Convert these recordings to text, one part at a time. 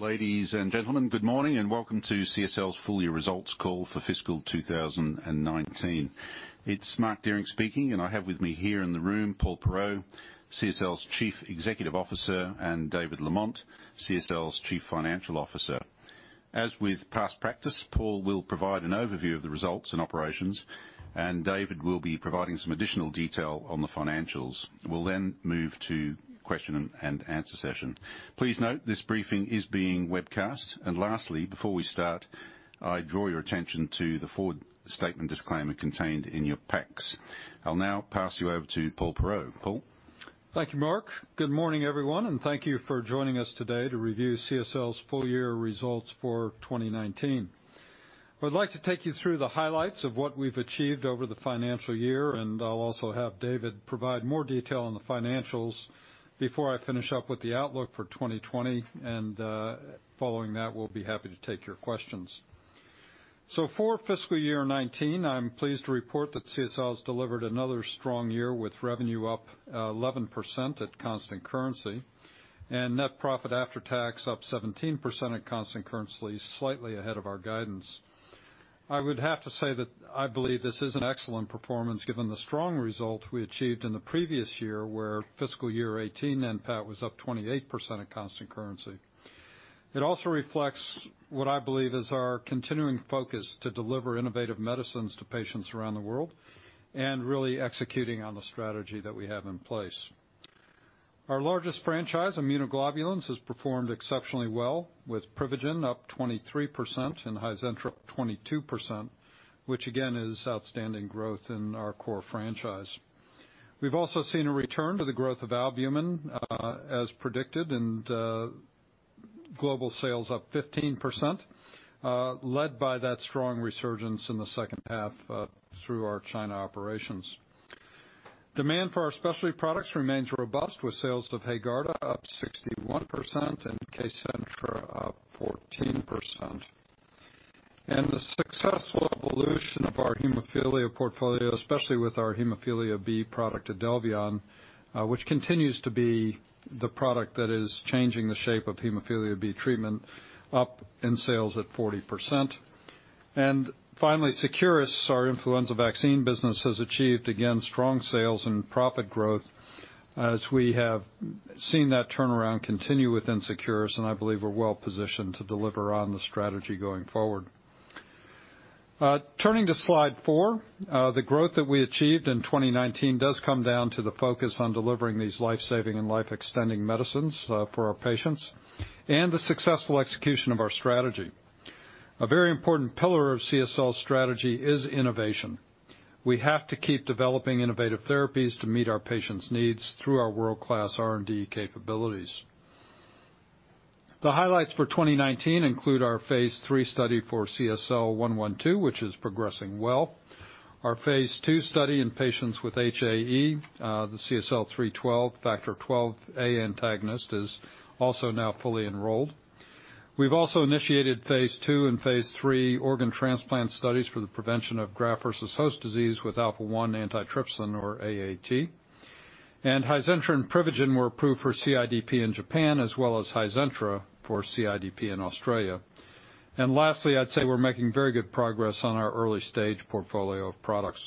Ladies and gentlemen, good morning and welcome to CSL's full year results call for fiscal 2019. It's Mark Dehring speaking. I have with me here in the room Paul Perreault, CSL's Chief Executive Officer, and David Lamont, CSL's Chief Financial Officer. As with past practice, Paul will provide an overview of the results and operations. David will be providing some additional detail on the financials. We'll move to question and answer session. Please note this briefing is being webcast. Lastly, before we start, I draw your attention to the forward statement disclaimer contained in your packs. I'll now pass you over to Paul Perreault. Paul? Thank you, Mark. Good morning, everyone, and thank you for joining us today to review CSL's full year results for 2019. I'd like to take you through the highlights of what we've achieved over the financial year, and I'll also have David provide more detail on the financials before I finish up with the outlook for 2020. Following that, we'll be happy to take your questions. For fiscal year 2019, I'm pleased to report that CSL has delivered another strong year with revenue up 11% at constant currency and net profit after tax up 17% at constant currency, slightly ahead of our guidance. I would have to say that I believe this is an excellent performance given the strong result we achieved in the previous year, where fiscal year 2018, NPAT was up 28% at constant currency. It also reflects what I believe is our continuing focus to deliver innovative medicines to patients around the world and really executing on the strategy that we have in place. Our largest franchise, immunoglobulins, has performed exceptionally well with Privigen up 23% and Hizentra 22%, which again, is outstanding growth in our core franchise. We've also seen a return to the growth of albumin, as predicted, and global sales up 15%, led by that strong resurgence in the second half through our China operations. Demand for our specialty products remains robust with sales of HAEGARDA up 61% and KCENTRA up 14%. The successful evolution of our hemophilia portfolio, especially with our hemophilia B product, IDELVION, which continues to be the product that is changing the shape of hemophilia B treatment, up in sales at 40%. Finally, Seqirus, our influenza vaccine business, has achieved again strong sales and profit growth as we have seen that turnaround continue within Seqirus, and I believe we're well positioned to deliver on the strategy going forward. Turning to slide four, the growth that we achieved in 2019 does come down to the focus on delivering these life-saving and life-extending medicines for our patients and the successful execution of our strategy. A very important pillar of CSL's strategy is innovation. We have to keep developing innovative therapies to meet our patients' needs through our world-class R&D capabilities. The highlights for 2019 include our phase III study for CSL112, which is progressing well. Our phase II study in patients with HAE, the CSL312, Factor XIIa antagonist, is also now fully enrolled. We've also initiated phase II and phase III organ transplant studies for the prevention of graft versus host disease with alpha-1 antitrypsin, or AAT. HIZENTRA and Privigen were approved for CIDP in Japan, as well as HIZENTRA for CIDP in Australia. Lastly, I'd say we're making very good progress on our early-stage portfolio of products.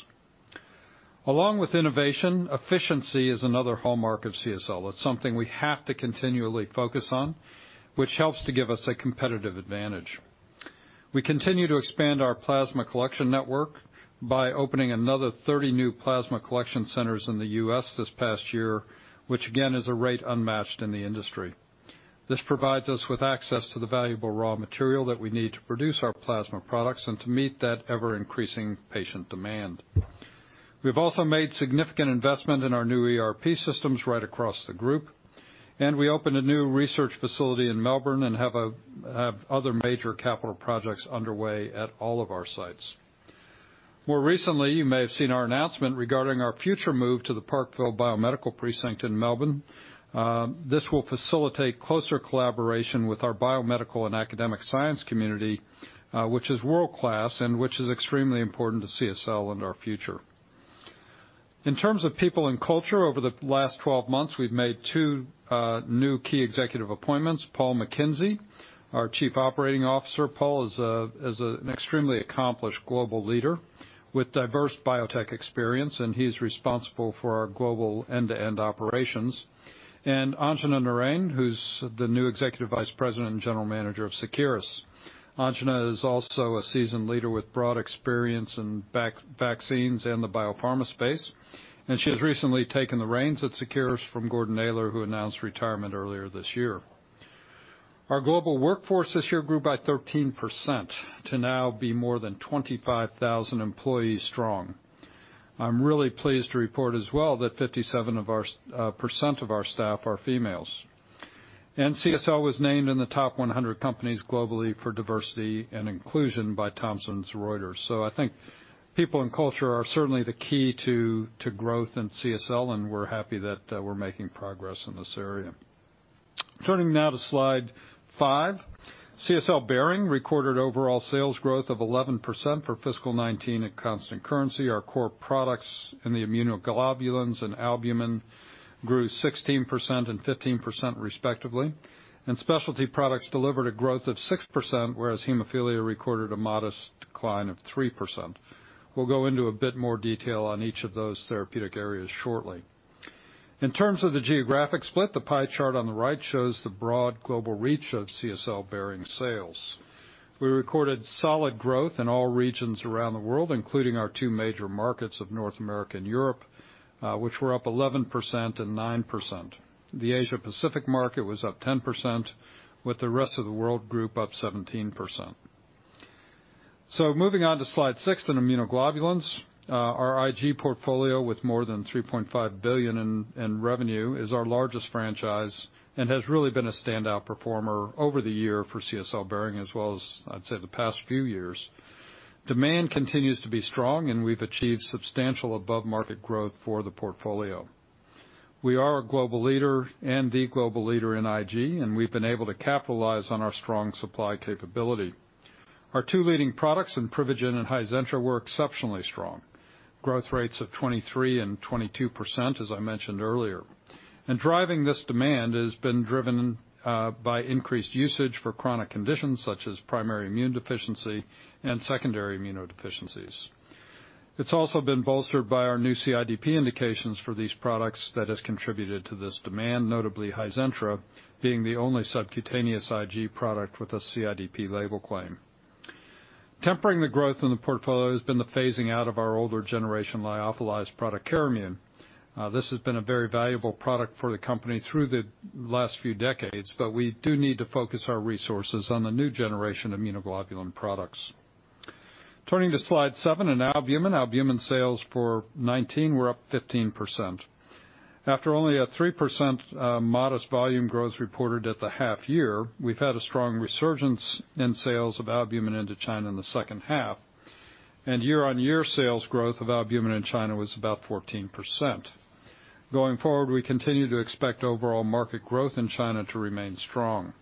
Along with innovation, efficiency is another hallmark of CSL. It's something we have to continually focus on, which helps to give us a competitive advantage. We continue to expand our plasma collection network by opening another 30 new plasma collection centers in the U.S. this past year, which again, is a rate unmatched in the industry. This provides us with access to the valuable raw material that we need to produce our plasma products and to meet that ever-increasing patient demand. We've also made significant investment in our new ERP systems right across the group, and we opened a new research facility in Melbourne and have other major capital projects underway at all of our sites. More recently, you may have seen our announcement regarding our future move to the Parkville Biomedical Precinct in Melbourne. This will facilitate closer collaboration with our biomedical and academic science community, which is world-class and which is extremely important to CSL and our future. In terms of people and culture, over the last 12 months, we've made two new key executive appointments. Paul McKenzie, our Chief Operating Officer. He's an extremely accomplished global leader with diverse biotech experience, and he's responsible for our global end-to-end operations. Anjana Narain, who's the new Executive Vice President and General Manager of Seqirus. Anjana is also a seasoned leader with broad experience in vaccines and the biopharma space. She has recently taken the reins at Seqirus from Gordon Naylor, who announced retirement earlier this year. Our global workforce this year grew by 13% to now be more than 25,000 employees strong. I am really pleased to report as well that 57% of our staff are females. CSL was named in the top 100 companies globally for diversity and inclusion by Thomson Reuters. I think people and culture are certainly the key to growth in CSL, and we're happy that we're making progress in this area. Turning now to slide five. CSL Behring recorded overall sales growth of 11% for fiscal 2019 at constant currency. Our core products in the immunoglobulins and albumin grew 16% and 15%, respectively. Specialty products delivered a growth of 6%, whereas hemophilia recorded a modest decline of 3%. We'll go into a bit more detail on each of those therapeutic areas shortly. In terms of the geographic split, the pie chart on the right shows the broad global reach of CSL Behring sales. We recorded solid growth in all regions around the world, including our two major markets of North America and Europe, which were up 11% and 9%. The Asia Pacific market was up 10%, with the rest of the world group up 17%. Moving on to slide six, in immunoglobulins, our IG portfolio with more than $3.5 billion in revenue is our largest franchise and has really been a standout performer over the year for CSL Behring as well as, I'd say, the past few years. Demand continues to be strong. We've achieved substantial above-market growth for the portfolio. We are a global leader and the global leader in IG, and we've been able to capitalize on our strong supply capability. Our two leading products in Privigen and Hizentra were exceptionally strong. Growth rates of 23% and 22%, as I mentioned earlier. Driving this demand has been driven by increased usage for chronic conditions such as primary immune deficiency and secondary immunodeficiencies. It's also been bolstered by our new CIDP indications for these products that has contributed to this demand, notably Hizentra being the only subcutaneous IG product with a CIDP label claim. Tempering the growth in the portfolio has been the phasing out of our older generation lyophilized product, Carimune. This has been a very valuable product for the company through the last few decades, but we do need to focus our resources on the new generation immunoglobulin products. Turning to slide seven in albumin. Albumin sales for 2019 were up 15%. After only a 3% modest volume growth reported at the half-year, we've had a strong resurgence in sales of albumin into China in the second half, and year-on-year sales growth of albumin in China was about 14%. Going forward, we continue to expect overall market growth in China to remain strong.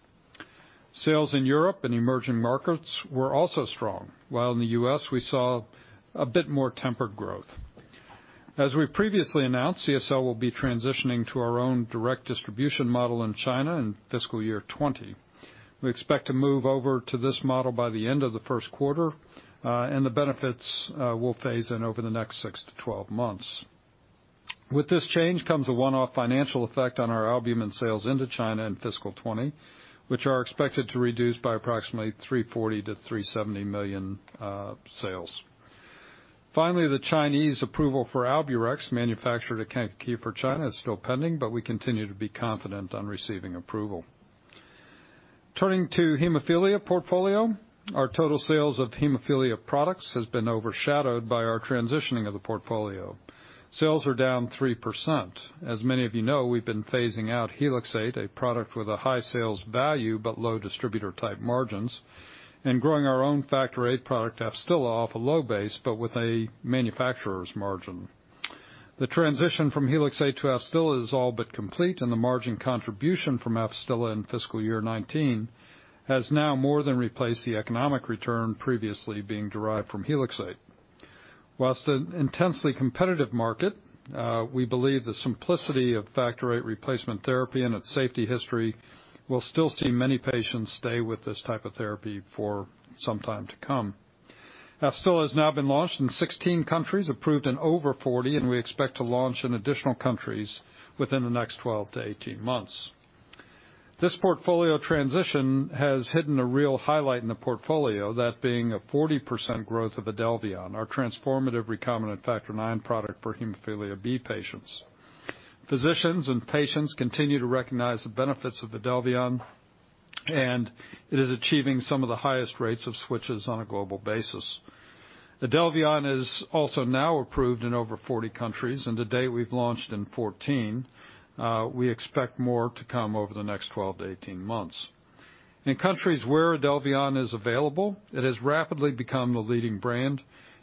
Sales in Europe and emerging markets were also strong, while in the U.S., we saw a bit more tempered growth. As we previously announced, CSL will be transitioning to our own direct distribution model in China in fiscal year 2020. We expect to move over to this model by the end of the first quarter, and the benefits will phase in over the next six to 12 months. With this change comes a one-off financial effect on our albumin sales into China in fiscal 2020, which are expected to reduce by approximately 340 million-370 million. The Chinese approval for Alburex, manufactured at Kankakee for China, is still pending, but we continue to be confident on receiving approval. We are turning to our hemophilia portfolio. Our total sales of hemophilia products has been overshadowed by our transitioning of the portfolio. Sales are down 3%. As many of you know, we've been phasing out HELIXATE, a product with a high sales value but low distributor-type margins, and growing our own factor VIII product, AFSTYLA, off a low base, but with a manufacturer's margin. The transition from Helixate to AFSTYLA is all but complete, and the margin contribution from AFSTYLA in fiscal year 2019 has now more than replaced the economic return previously being derived from Helixate. Whilst an intensely competitive market, we believe the simplicity of Factor VIII replacement therapy and its safety history will still see many patients stay with this type of therapy for some time to come. AFSTYLA has now been launched in 16 countries, approved in over 40, and we expect to launch in additional countries within the next 12 to 18 months. This portfolio transition has hidden a real highlight in the portfolio, that being a 40% growth of IDELVION, our transformative recombinant Factor IX product for Hemophilia B patients. Physicians and patients continue to recognize the benefits of IDELVION, and it is achieving some of the highest rates of switches on a global basis. IDELVION is also now approved in over 40 countries. To date, we've launched in 14. We expect more to come over the next 12 to 18 months. In countries where IDELVION is available, it has rapidly become the leading brand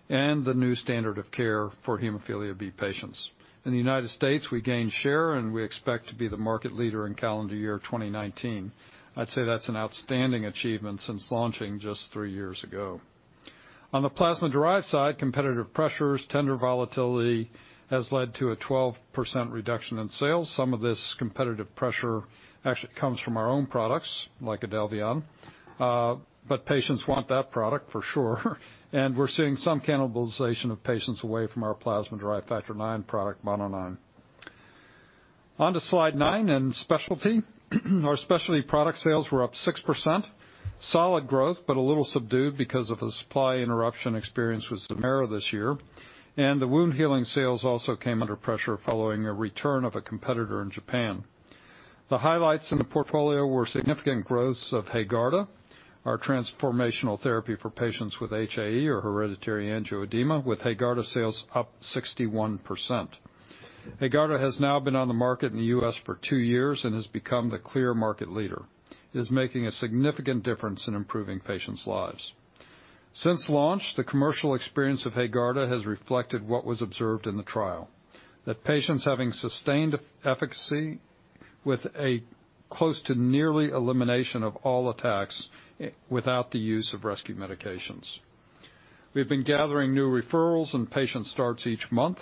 and the new standard of care for Hemophilia B patients. In the U.S., we gained share. We expect to be the market leader in calendar year 2019. I'd say that's an outstanding achievement since launching just three years ago. On the plasma-derived side, competitive pressures, tender volatility, has led to a 12% reduction in sales. Some of this competitive pressure actually comes from our own products, like IDELVION. Patients want that product for sure. We're seeing some cannibalization of patients away from our plasma-derived Factor IX product, MONONINE. On to slide nine in specialty. Our specialty product sales were up 6%. Solid growth, but a little subdued because of the supply interruption experienced with ZEMAIRA this year, and the wound healing sales also came under pressure following a return of a competitor in Japan. The highlights in the portfolio were significant growth of HAEGARDA, our transformational therapy for patients with HAE or hereditary angioedema, with HAEGARDA sales up 61%. HAEGARDA has now been on the market in the U.S. for two years and has become the clear market leader. It is making a significant difference in improving patients' lives. Since launch, the commercial experience of HAEGARDA has reflected what was observed in the trial, that patients having sustained efficacy with a close to nearly elimination of all attacks without the use of rescue medications. We've been gathering new referrals and patient starts each month.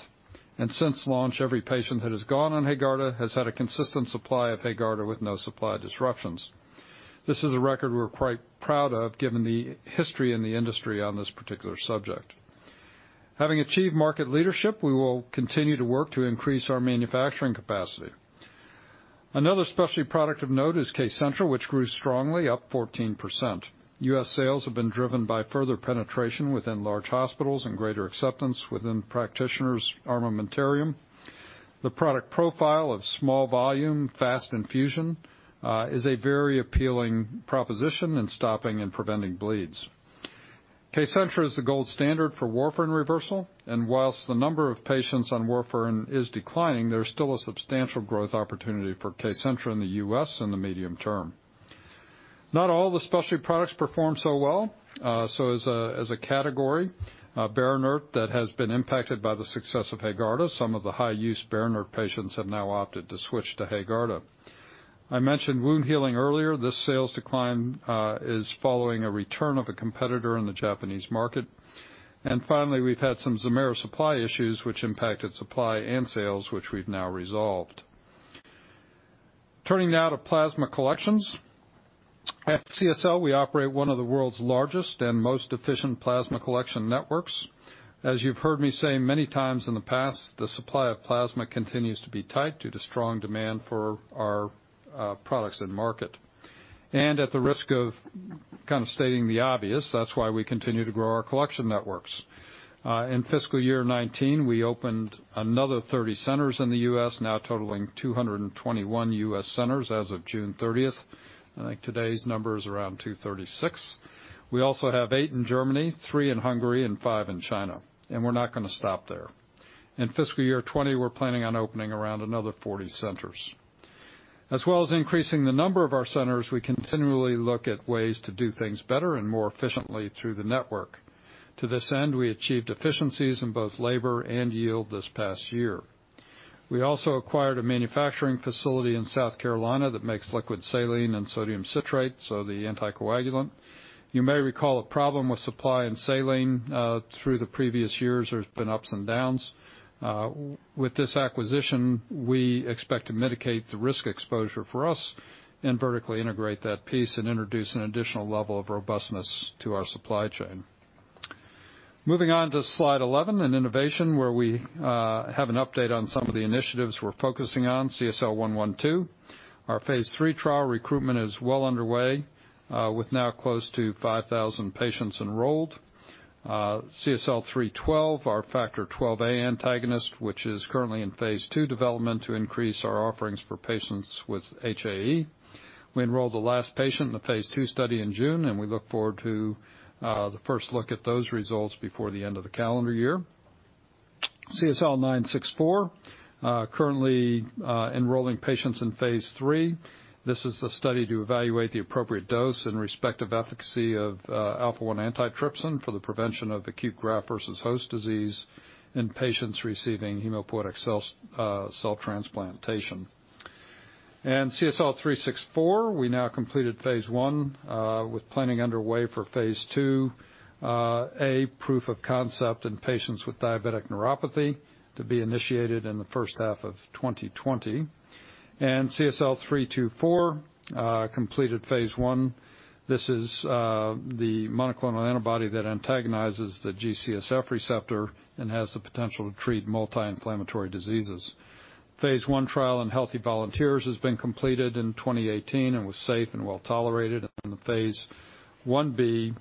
Since launch, every patient that has gone on HAEGARDA has had a consistent supply of HAEGARDA with no supply disruptions. This is a record we're quite proud of given the history in the industry on this particular subject. Having achieved market leadership, we will continue to work to increase our manufacturing capacity. Another specialty product of note is KCENTRA, which grew strongly, up 14%. U.S. sales have been driven by further penetration within large hospitals and greater acceptance within practitioners' armamentarium. The product profile of small volume, fast infusion is a very appealing proposition in stopping and preventing bleeds. KCENTRA is the gold standard for warfarin reversal. Whilst the number of patients on warfarin is declining, there is still a substantial growth opportunity for KCENTRA in the U.S. in the medium term. Not all the specialty products performed so well. As a category, BERINERT, that has been impacted by the success of HAEGARDA. Some of the high-use BERINERT patients have now opted to switch to HAEGARDA. I mentioned wound healing earlier. This sales decline is following a return of a competitor in the Japanese market. Finally, we've had some ZEMAIRA supply issues which impacted supply and sales, which we've now resolved. Turning now to plasma collections. At CSL, we operate one of the world's largest and most efficient plasma collection networks. As you've heard me say many times in the past, the supply of plasma continues to be tight due to strong demand for our products in market. At the risk of stating the obvious, that's why we continue to grow our collection networks. In fiscal year 2019, we opened another 30 centers in the U.S., now totaling 221 U.S. centers as of June 30th. I think today's number is around 236. We also have eight in Germany, three in Hungary, and five in China. We're not going to stop there. In fiscal year 2020, we're planning on opening around another 40 centers. As well as increasing the number of our centers, we continually look at ways to do things better and more efficiently through the network. To this end, we achieved efficiencies in both labor and yield this past year. We also acquired a manufacturing facility in South Carolina that makes liquid saline and sodium citrate, so the anticoagulant. You may recall a problem with supply and saline through the previous years. There's been ups and downs. With this acquisition, we expect to mitigate the risk exposure for us and vertically integrate that piece and introduce an additional level of robustness to our supply chain. Moving on to slide 11 in innovation, where we have an update on some of the initiatives we're focusing on. CSL112, our phase III trial recruitment is well underway, with now close to 5,000 patients enrolled. CSL312, our Factor XIIa antagonist, which is currently in phase II development to increase our offerings for patients with HAE. We enrolled the last patient in the phase II study in June. We look forward to the first look at those results before the end of the calendar year. CSL964, currently enrolling patients in phase III. This is a study to evaluate the appropriate dose and respective efficacy of alpha-1 antitrypsin for the prevention of acute graft versus host disease in patients receiving hematopoietic cell transplantation. CSL364, we now completed phase I with planning underway for phase IIa, proof of concept in patients with diabetic neuropathy to be initiated in the first half of 2020. CSL324 completed phase I. This is the monoclonal antibody that antagonizes the G-CSF receptor and has the potential to treat multi-inflammatory diseases. Phase I trial in healthy volunteers has been completed in 2018 and was safe and well-tolerated, and the phase I-B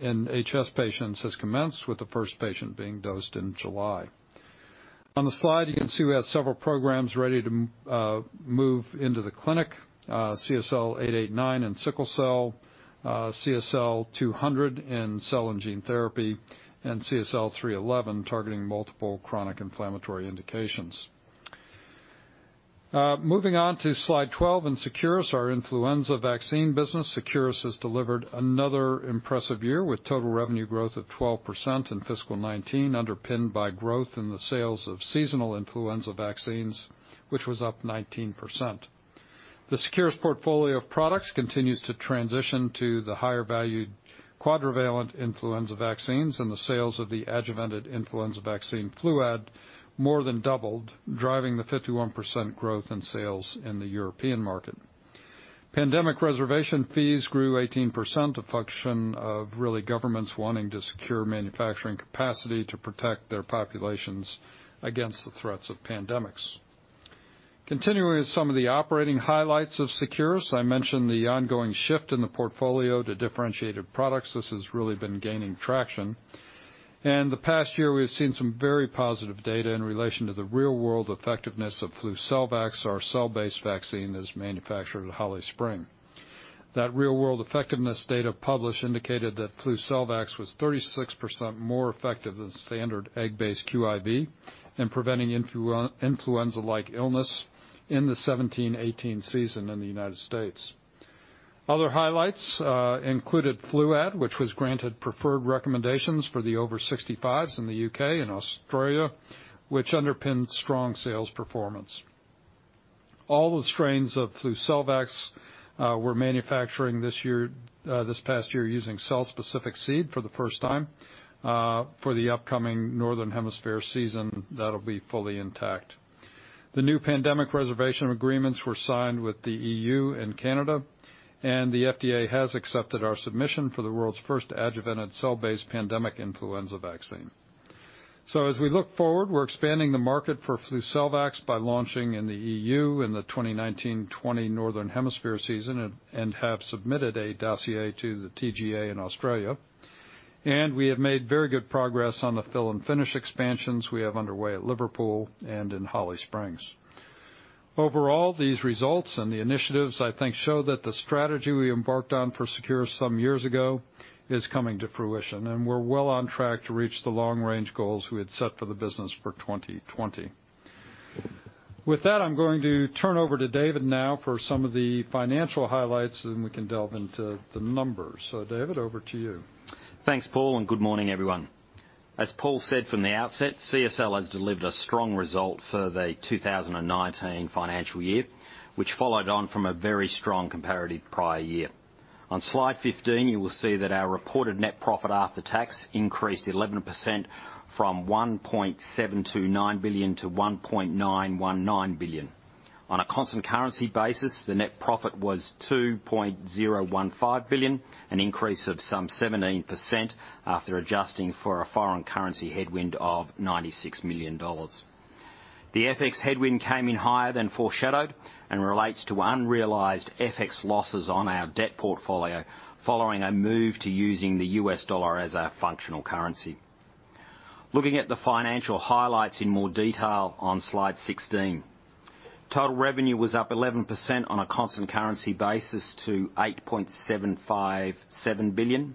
in HS patients has commenced with the first patient being dosed in July. On the slide, you can see we have several programs ready to move into the clinic. CSL889 in sickle cell, CSL200 in cell and gene therapy, and CSL311 targeting multiple chronic inflammatory indications. Moving on to slide 12 in Seqirus, our influenza vaccine business. Seqirus has delivered another impressive year with total revenue growth of 12% in FY 2019, underpinned by growth in the sales of seasonal influenza vaccines, which was up 19%. The Seqirus portfolio of products continues to transition to the higher-valued quadrivalent influenza vaccines, and the sales of the adjuvanted influenza vaccine, Fluad, more than doubled, driving the 51% growth in sales in the European market. Pandemic reservation fees grew 18%, a function of really governments wanting to secure manufacturing capacity to protect their populations against the threats of pandemics. Continuing with some of the operating highlights of Seqirus. I mentioned the ongoing shift in the portfolio to differentiated products. This has really been gaining traction. The past year, we've seen some very positive data in relation to the real-world effectiveness of FLUCELVAX, our cell-based vaccine that is manufactured at Holly Springs. That real-world effectiveness data published indicated that FLUCELVAX was 36% more effective than standard egg-based QIV in preventing influenza-like illness in the 2017-2018 season in the U.S. Other highlights included Fluad, which was granted preferred recommendations for the over 65s in the U.K. and Australia, which underpinned strong sales performance. All the strains of FLUCELVAX we're manufacturing this past year using cell-specific seed for the first time. For the upcoming Northern Hemisphere season, that'll be fully intact. The new pandemic reservation agreements were signed with the EU and Canada, and the FDA has accepted our submission for the world's first adjuvanted cell-based pandemic influenza vaccine. As we look forward, we're expanding the market for FLUCELVAX by launching in the EU in the 2019/20 Northern Hemisphere season, and have submitted a dossier to the TGA in Australia. We have made very good progress on the fill and finish expansions we have underway at Liverpool and in Holly Springs. Overall, these results and the initiatives, I think, show that the strategy we embarked on for Seqirus some years ago is coming to fruition, and we're well on track to reach the long-range goals we had set for the business for 2020. With that, I'm going to turn over to David now for some of the financial highlights, and we can delve into the numbers. David, over to you. Thanks, Paul, and good morning, everyone. As Paul said from the outset, CSL has delivered a strong result for the 2019 financial year, which followed on from a very strong comparative prior year. On Slide 15, you will see that our reported net profit after tax increased 11%, from $1.729 billion to $1.919 billion. On a constant currency basis, the net profit was $2.015 billion, an increase of some 17% after adjusting for a foreign currency headwind of $96 million. The FX headwind came in higher than foreshadowed and relates to unrealized FX losses on our debt portfolio following a move to using the US dollar as our functional currency. Looking at the financial highlights in more detail on Slide 16. Total revenue was up 11% on a constant currency basis to $8.757 billion.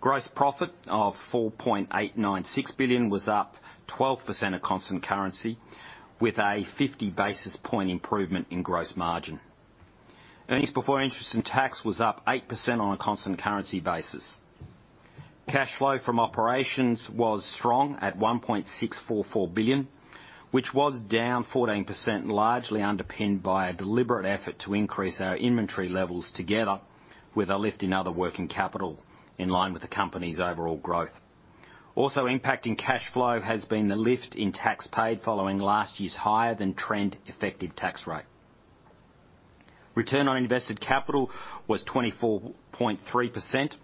Gross profit of $4.896 billion was up 12% at constant currency, with a 50 basis point improvement in gross margin. Earnings before interest and tax was up 8% on a constant currency basis. Cash flow from operations was strong at $1.644 billion, which was down 14%, largely underpinned by a deliberate effort to increase our inventory levels, together with a lift in other working capital in line with the company's overall growth. Impacting cash flow has been the lift in tax paid following last year's higher than trend effective tax rate. Return on invested capital was 24.3%.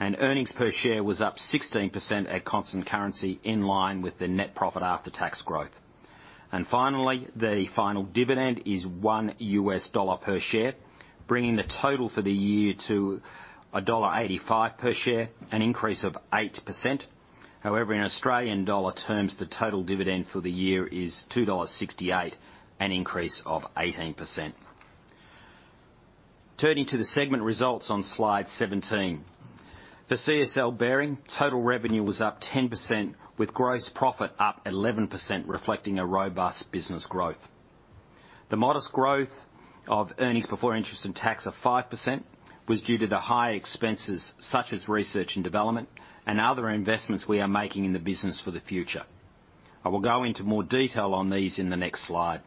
Earnings per share was up 16% at constant currency, in line with the net profit after tax growth. Finally, the final dividend is $1 per share, bringing the total for the year to $1.85 per share, an increase of 8%. In Australian dollar terms, the total dividend for the year is 2.68 dollars, an increase of 18%. Turning to the segment results on Slide 17. For CSL Behring, total revenue was up 10%, with gross profit up 11%, reflecting a robust business growth. The modest growth of earnings before interest and tax of 5% was due to the high expenses, such as research and development and other investments we are making in the business for the future. I will go into more detail on these in the next slide.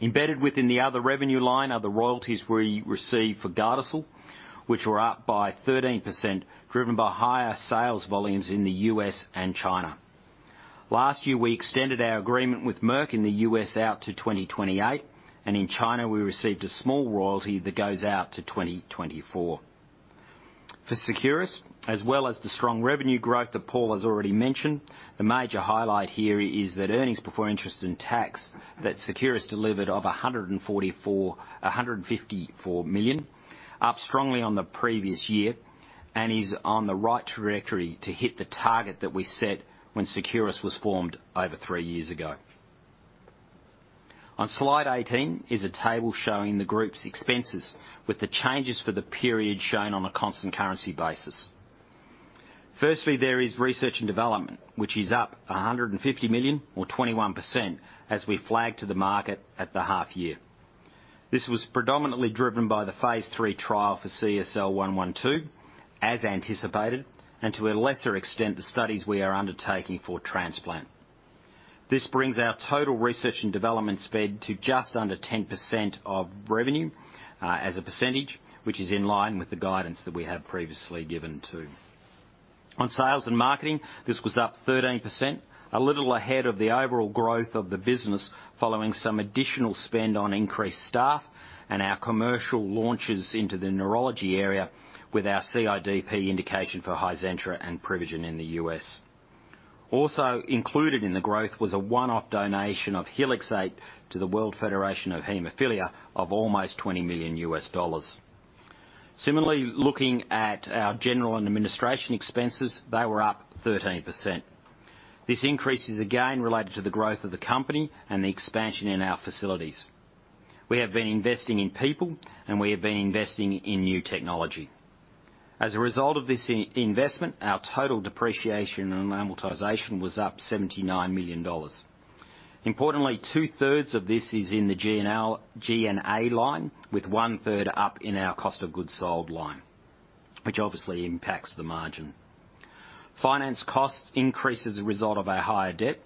Embedded within the other revenue line are the royalties we receive for Gardasil, which were up by 13%, driven by higher sales volumes in the U.S. and China. Last year, we extended our agreement with Merck in the U.S. out to 2028, and in China, we received a small royalty that goes out to 2024. For Seqirus, as well as the strong revenue growth that Paul has already mentioned, the major highlight here is that earnings before interest and tax that Seqirus delivered of 154 million, up strongly on the previous year and is on the right trajectory to hit the target that we set when Seqirus was formed over three years ago. On Slide 18 is a table showing the group's expenses with the changes for the period shown on a constant currency basis. Firstly, there is research and development, which is up 150 million or 21% as we flagged to the market at the half year. This was predominantly driven by the phase III trial for CSL112, as anticipated, and to a lesser extent, the studies we are undertaking for transplant. This brings our total research and development spend to just under 10% of revenue, as a percentage, which is in line with the guidance that we have previously given to you. On sales and marketing, this was up 13%, a little ahead of the overall growth of the business, following some additional spend on increased staff and our commercial launches into the neurology area with our CIDP indication for Hizentra and Privigen in the U.S. Also included in the growth was a one-off donation of Helixate to the World Federation of Hemophilia of almost $20 million. Similarly, looking at our general and administration expenses, they were up 13%. This increase is again related to the growth of the company and the expansion in our facilities. We have been investing in people, and we have been investing in new technology. As a result of this investment, our total depreciation and amortization was up $79 million. Importantly, two-thirds of this is in the G&A line, with one-third up in our cost of goods sold line, which obviously impacts the margin. Finance costs increased as a result of our higher debt.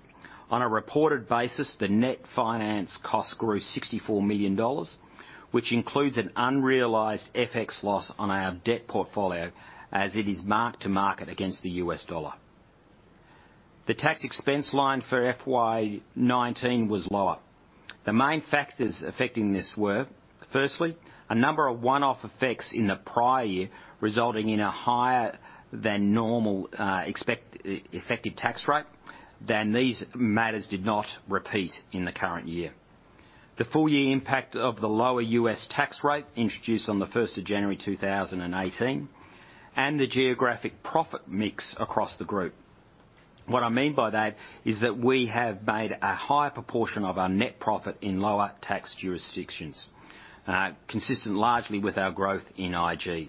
On a reported basis, the net finance cost grew $64 million, which includes an unrealized FX loss on our debt portfolio as it is marked to market against the US dollar. The tax expense line for FY 2019 was lower. The main factors affecting this were, firstly, a number of one-off effects in the prior year, resulting in a higher than normal effective tax rate, then these matters did not repeat in the current year. The full year impact of the lower U.S. tax rate introduced on the 1st of January 2018, and the geographic profit mix across the group. What I mean by that is that we have made a higher proportion of our net profit in lower tax jurisdictions, consistent largely with our growth in IG,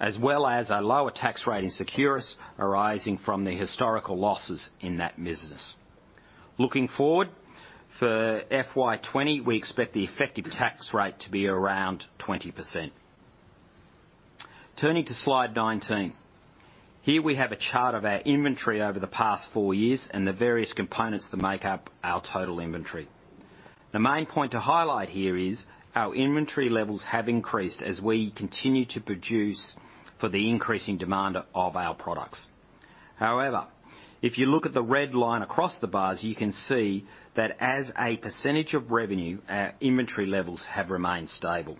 as well as a lower tax rate in Seqirus arising from the historical losses in that business. Looking forward, for FY 2020, we expect the effective tax rate to be around 20%. Turning to slide 19. Here we have a chart of our inventory over the past four years and the various components that make up our total inventory. The main point to highlight here is our inventory levels have increased as we continue to produce for the increasing demand of our products. If you look at the red line across the bars, you can see that as a % of revenue, our inventory levels have remained stable.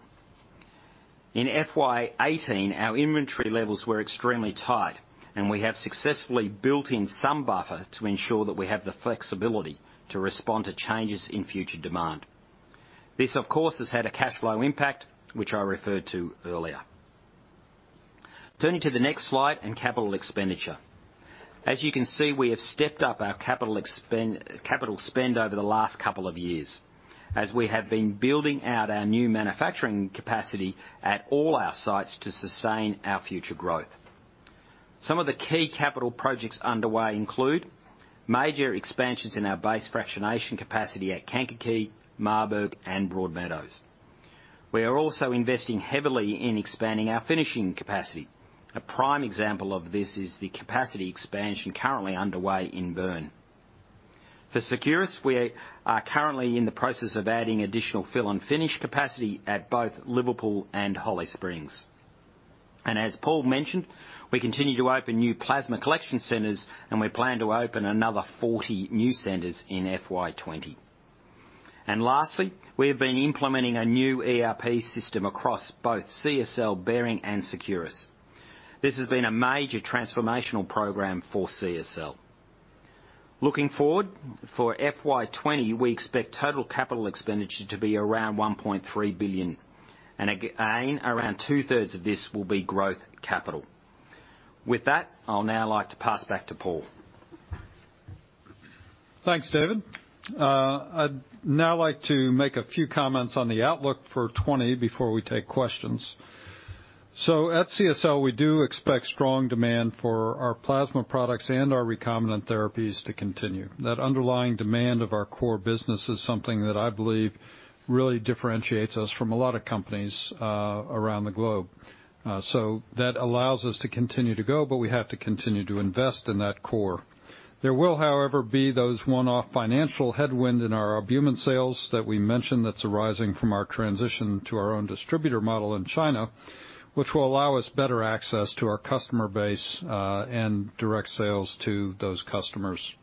In FY 2018, our inventory levels were extremely tight, and we have successfully built in some buffer to ensure that we have the flexibility to respond to changes in future demand. This, of course, has had a cash flow impact, which I referred to earlier. Turning to the next slide in capital expenditure. As you can see, we have stepped up our capital spend over the last couple of years, as we have been building out our new manufacturing capacity at all our sites to sustain our future growth. Some of the key capital projects underway include major expansions in our base fractionation capacity at Kankakee, Marburg, and Broadmeadows. We are also investing heavily in expanding our finishing capacity. A prime example of this is the capacity expansion currently underway in Bern. For Seqirus, we are currently in the process of adding additional fill and finish capacity at both Liverpool and Holly Springs. As Paul mentioned, we continue to open new plasma collection centers, and we plan to open another 40 new centers in FY 2020. Lastly, we have been implementing a new ERP system across both CSL Behring and Seqirus. This has been a major transformational program for CSL. Looking forward, for FY 2020, we expect total capital expenditure to be around 1.3 billion. Again, around two-thirds of this will be growth capital. With that, I'll now like to pass back to Paul. Thanks, David. I'd now like to make a few comments on the outlook for 2020 before we take questions. At CSL, we do expect strong demand for our plasma products and our recombinant therapies to continue. That underlying demand of our core business is something that I believe really differentiates us from a lot of companies around the globe. That allows us to continue to go, but we have to continue to invest in that core. There will, however, be those one-off financial headwind in our albumin sales that we mentioned that is arising from our transition to our own distributor model in China, which will allow us better access to our customer base and direct sales to those customers.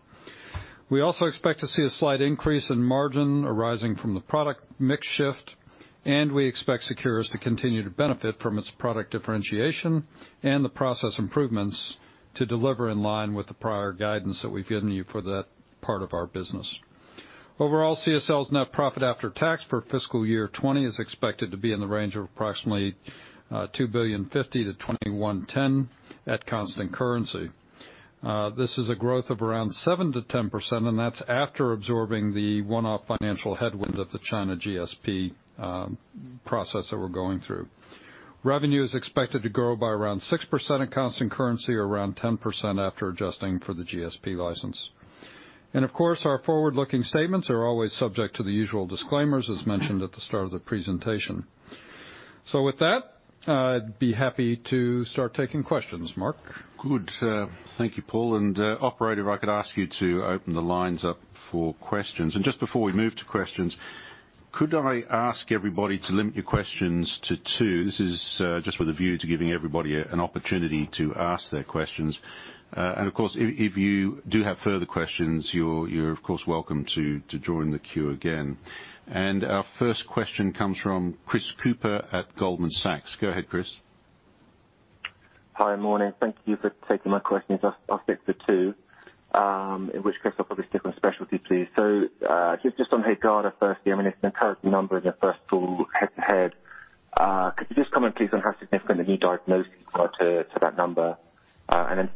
We also expect to see a slight increase in margin arising from the product mix shift, and we expect Seqirus to continue to benefit from its product differentiation and the process improvements to deliver in line with the prior guidance that we've given you for that part of our business. Overall, CSL's net profit after tax for fiscal year 2020 is expected to be in the range of approximately 2.05 billion-2.11 billion at constant currency. This is a growth of around 7%-10%, and that's after absorbing the one-off financial headwind of the China GSP process that we're going through. Revenue is expected to grow by around 6% in constant currency, or around 10% after adjusting for the GSP license. Of course, our forward-looking statements are always subject to the usual disclaimers, as mentioned at the start of the presentation. With that, I'd be happy to start taking questions. Mark? Good. Thank you, Paul. Operator, if I could ask you to open the lines up for questions. Just before we move to questions, could I ask everybody to limit your questions to two? This is just with a view to giving everybody an opportunity to ask their questions. Of course, if you do have further questions, you're of course welcome to join the queue again. Our first question comes from Chris Cooper at Goldman Sachs. Go ahead, Chris. Hi, morning. Thank you for taking my questions. I'll stick to two, in which case I'll probably stick with specialty, please. Just on HAEGARDA firstly, I mean, it's an encouraging number in your first full head-to-head. Could you just comment, please, on how significant the new diagnoses are to that number?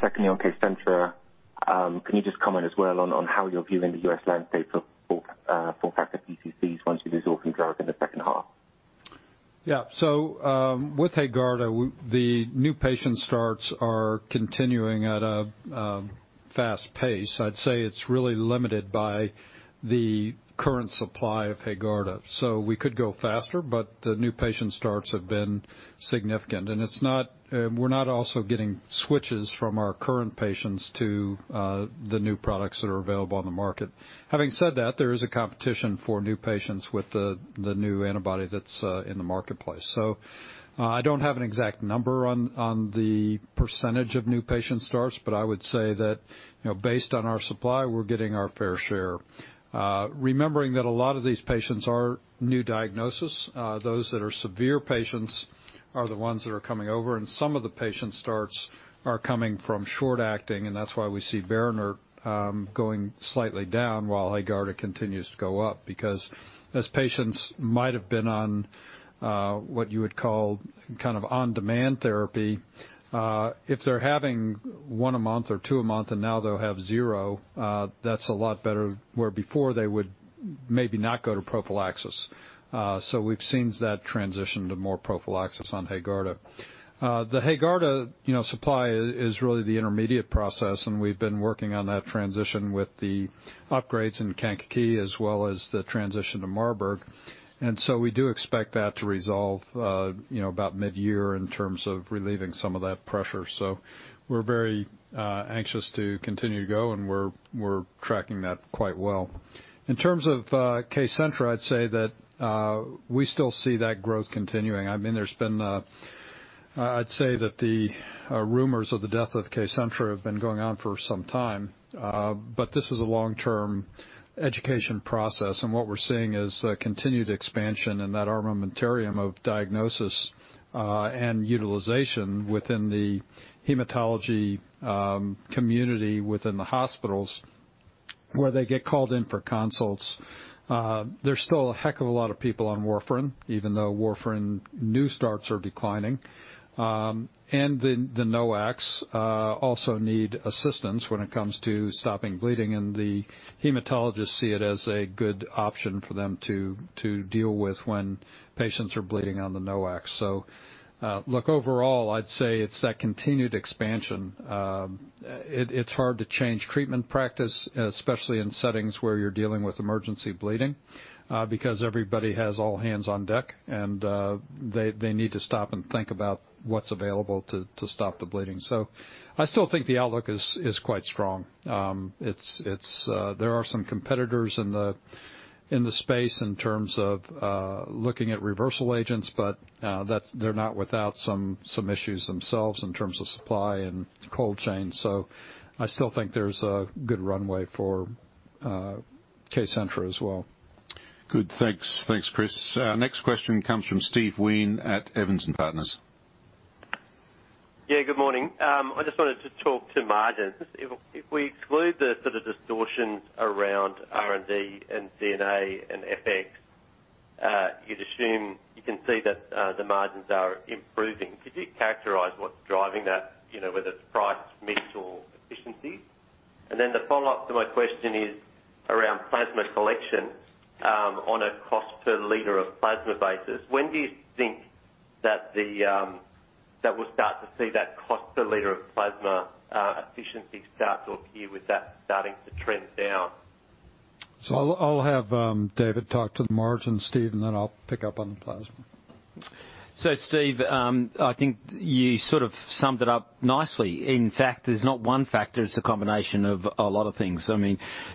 Secondly, on KCENTRA, can you just comment as well on how you're viewing the U.S. landscape for factor PCCs once you lose KCENTRA in the second half? With HAEGARDA, the new patient starts are continuing at a fast pace. I'd say it's really limited by the current supply of HAEGARDA. We could go faster, but the new patient starts have been significant. We're not also getting switches from our current patients to the new products that are available on the market. Having said that, there is a competition for new patients with the new antibody that's in the marketplace. I don't have an exact number on the percentage of new patient starts, but I would say that based on our supply, we're getting our fair share. Remembering that a lot of these patients are new diagnosis. Those that are severe patients are the ones that are coming over, and some of the patient starts are coming from short acting, and that's why we see BERINERT going slightly down while HAEGARDA continues to go up because as patients might have been on what you would call on-demand therapy. If they're having one a month or two a month and now they'll have zero, that's a lot better where before they would maybe not go to prophylaxis. We've seen that transition to more prophylaxis on HAEGARDA. The HAEGARDA supply is really the intermediate process, and we've been working on that transition with the upgrades in Kankakee as well as the transition to Marburg. We do expect that to resolve about mid-year in terms of relieving some of that pressure. We're very anxious to continue to go, and we're tracking that quite well. In terms of KCENTRA, I'd say that we still see that growth continuing. I'd say that the rumors of the death of KCENTRA have been going on for some time. This is a long-term education process, and what we're seeing is continued expansion in that armamentarium of diagnosis and utilization within the hematology community within the hospitals where they get called in for consults. There's still a heck of a lot of people on warfarin, even though warfarin new starts are declining. The NOACs also need assistance when it comes to stopping bleeding, and the hematologists see it as a good option for them to deal with when patients are bleeding on the NOACs. Look, overall, I'd say it's that continued expansion. It's hard to change treatment practice, especially in settings where you're dealing with emergency bleeding because everybody has all hands on deck, and they need to stop and think about what's available to stop the bleeding. I still think the outlook is quite strong. There are some competitors in the space in terms of looking at reversal agents, but they're not without some issues themselves in terms of supply and cold chain. I still think there's a good runway for KCENTRA as well. Good. Thanks, Chris. Our next question comes from Steve Wheen at Evans & Partners. Yeah, good morning. I just wanted to talk to margins. If we exclude the sort of distortions around R&D and G&A and FX, you can see that the margins are improving. Could you characterize what's driving that, whether it's price mix or efficiency? The follow-up to my question is around plasma collection on a cost per liter of plasma basis. When do you think that we'll start to see that cost per liter of plasma efficiency start to appear with that starting to trend down? I'll have David talk to the margin, Steve, and then I'll pick up on the plasma. Steve, I think you sort of summed it up nicely. In fact, there's not one factor, it's a combination of a lot of things.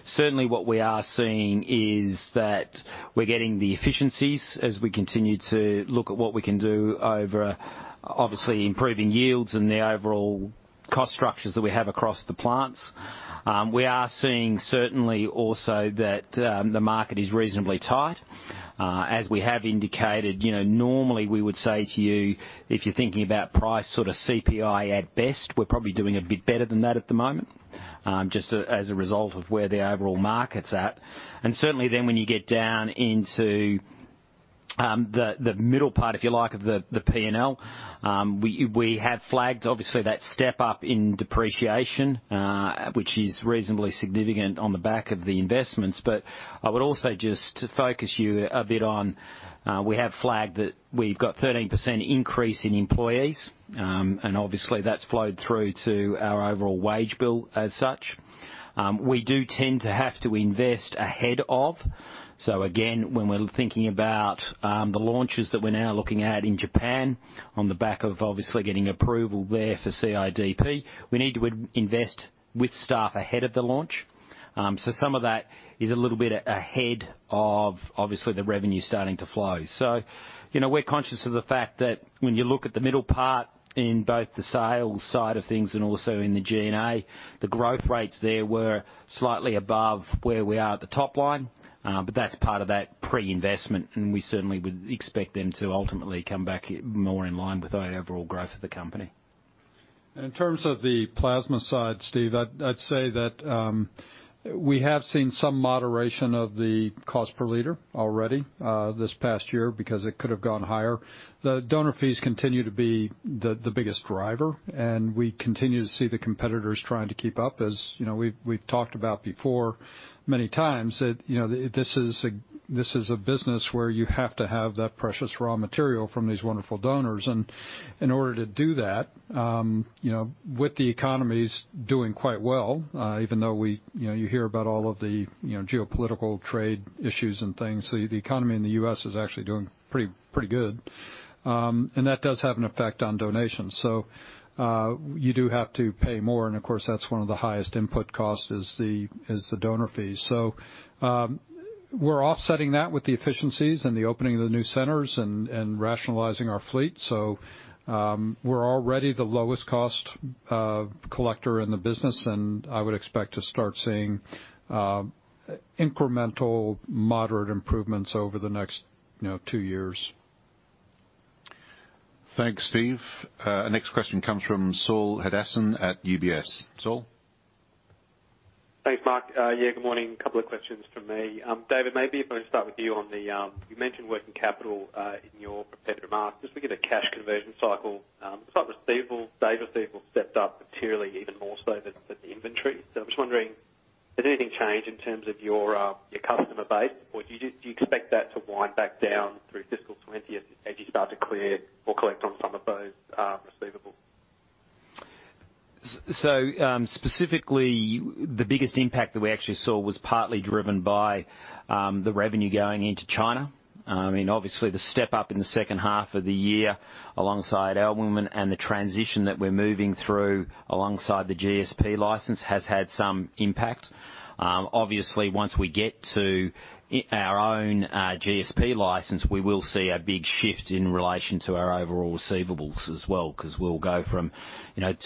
Certainly what we are seeing is that we're getting the efficiencies as we continue to look at what we can do over obviously improving yields and the overall cost structures that we have across the plants. We are seeing certainly also that the market is reasonably tight. As we have indicated, normally we would say to you, if you're thinking about price sort of CPI at best, we're probably doing a bit better than that at the moment, just as a result of where the overall market's at. Certainly then when you get down into the middle part, if you like, of the P&L, we have flagged obviously that step up in depreciation, which is reasonably significant on the back of the investments. I would also just to focus you a bit on, we have flagged that we've got 13% increase in employees. Obviously that's flowed through to our overall wage bill as such. We do tend to have to invest ahead of. Again, when we're thinking about the launches that we're now looking at in Japan on the back of obviously getting approval there for CIDP, we need to invest with staff ahead of the launch. Some of that is a little bit ahead of obviously the revenue starting to flow. We're conscious of the fact that when you look at the middle part in both the sales side of things and also in the G&A, the growth rates there were slightly above where we are at the top line. That's part of that pre-investment, and we certainly would expect them to ultimately come back more in line with our overall growth of the company. In terms of the plasma side, Steve, I'd say that we have seen some moderation of the cost per liter already this past year, because it could have gone higher. The donor fees continue to be the biggest driver. We continue to see the competitors trying to keep up. As we've talked about before, many times, this is a business where you have to have that precious raw material from these wonderful donors. In order to do that, with the economies doing quite well, even though you hear about all of the geopolitical trade issues and things, the economy in the U.S. is actually doing pretty good. That does have an effect on donations. You do have to pay more, and of course, that's one of the highest input costs is the donor fees. We're offsetting that with the efficiencies and the opening of the new centers and rationalizing our fleet. We're already the lowest cost collector in the business, and I would expect to start seeing incremental moderate improvements over the next two years. Thanks, Steve. Our next question comes from Saul Hadassin at UBS. Saul? Thanks, Mark. Yeah, good morning. A couple of questions from me. David, maybe if I start with you on the, you mentioned working capital in your prepared remarks. Just looking at cash conversion cycle, it's like receivables, day of receivable stepped up materially even more so than the inventory. I'm just wondering, has anything changed in terms of your customer base? Or do you expect that to wind back down through fiscal 2020 as you start to clear or collect on some of those receivables? Specifically, the biggest impact that we actually saw was partly driven by the revenue going into China. The step-up in the second half of the year alongside Alburex and the transition that we are moving through alongside the GSP license has had some impact. Once we get to our own GSP license, we will see a big shift in relation to our overall receivables as well, because we will go from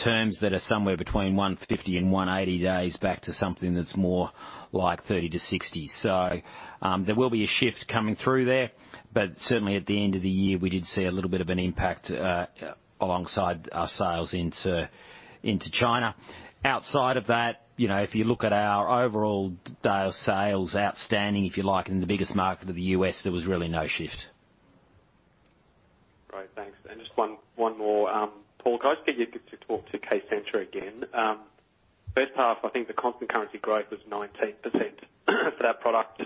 terms that are somewhere between 150 and 180 days back to something that's more like 30 to 60. Certainly, at the end of the year, we did see a little bit of an impact alongside our sales into China. Outside of that, if you look at our overall days sales outstanding, if you like, in the biggest market of the U.S., there was really no shift. Great. Thanks. Just one more. Paul, can I ask you to talk to KCENTRA again? First half, I think the constant currency growth was 19% for that product.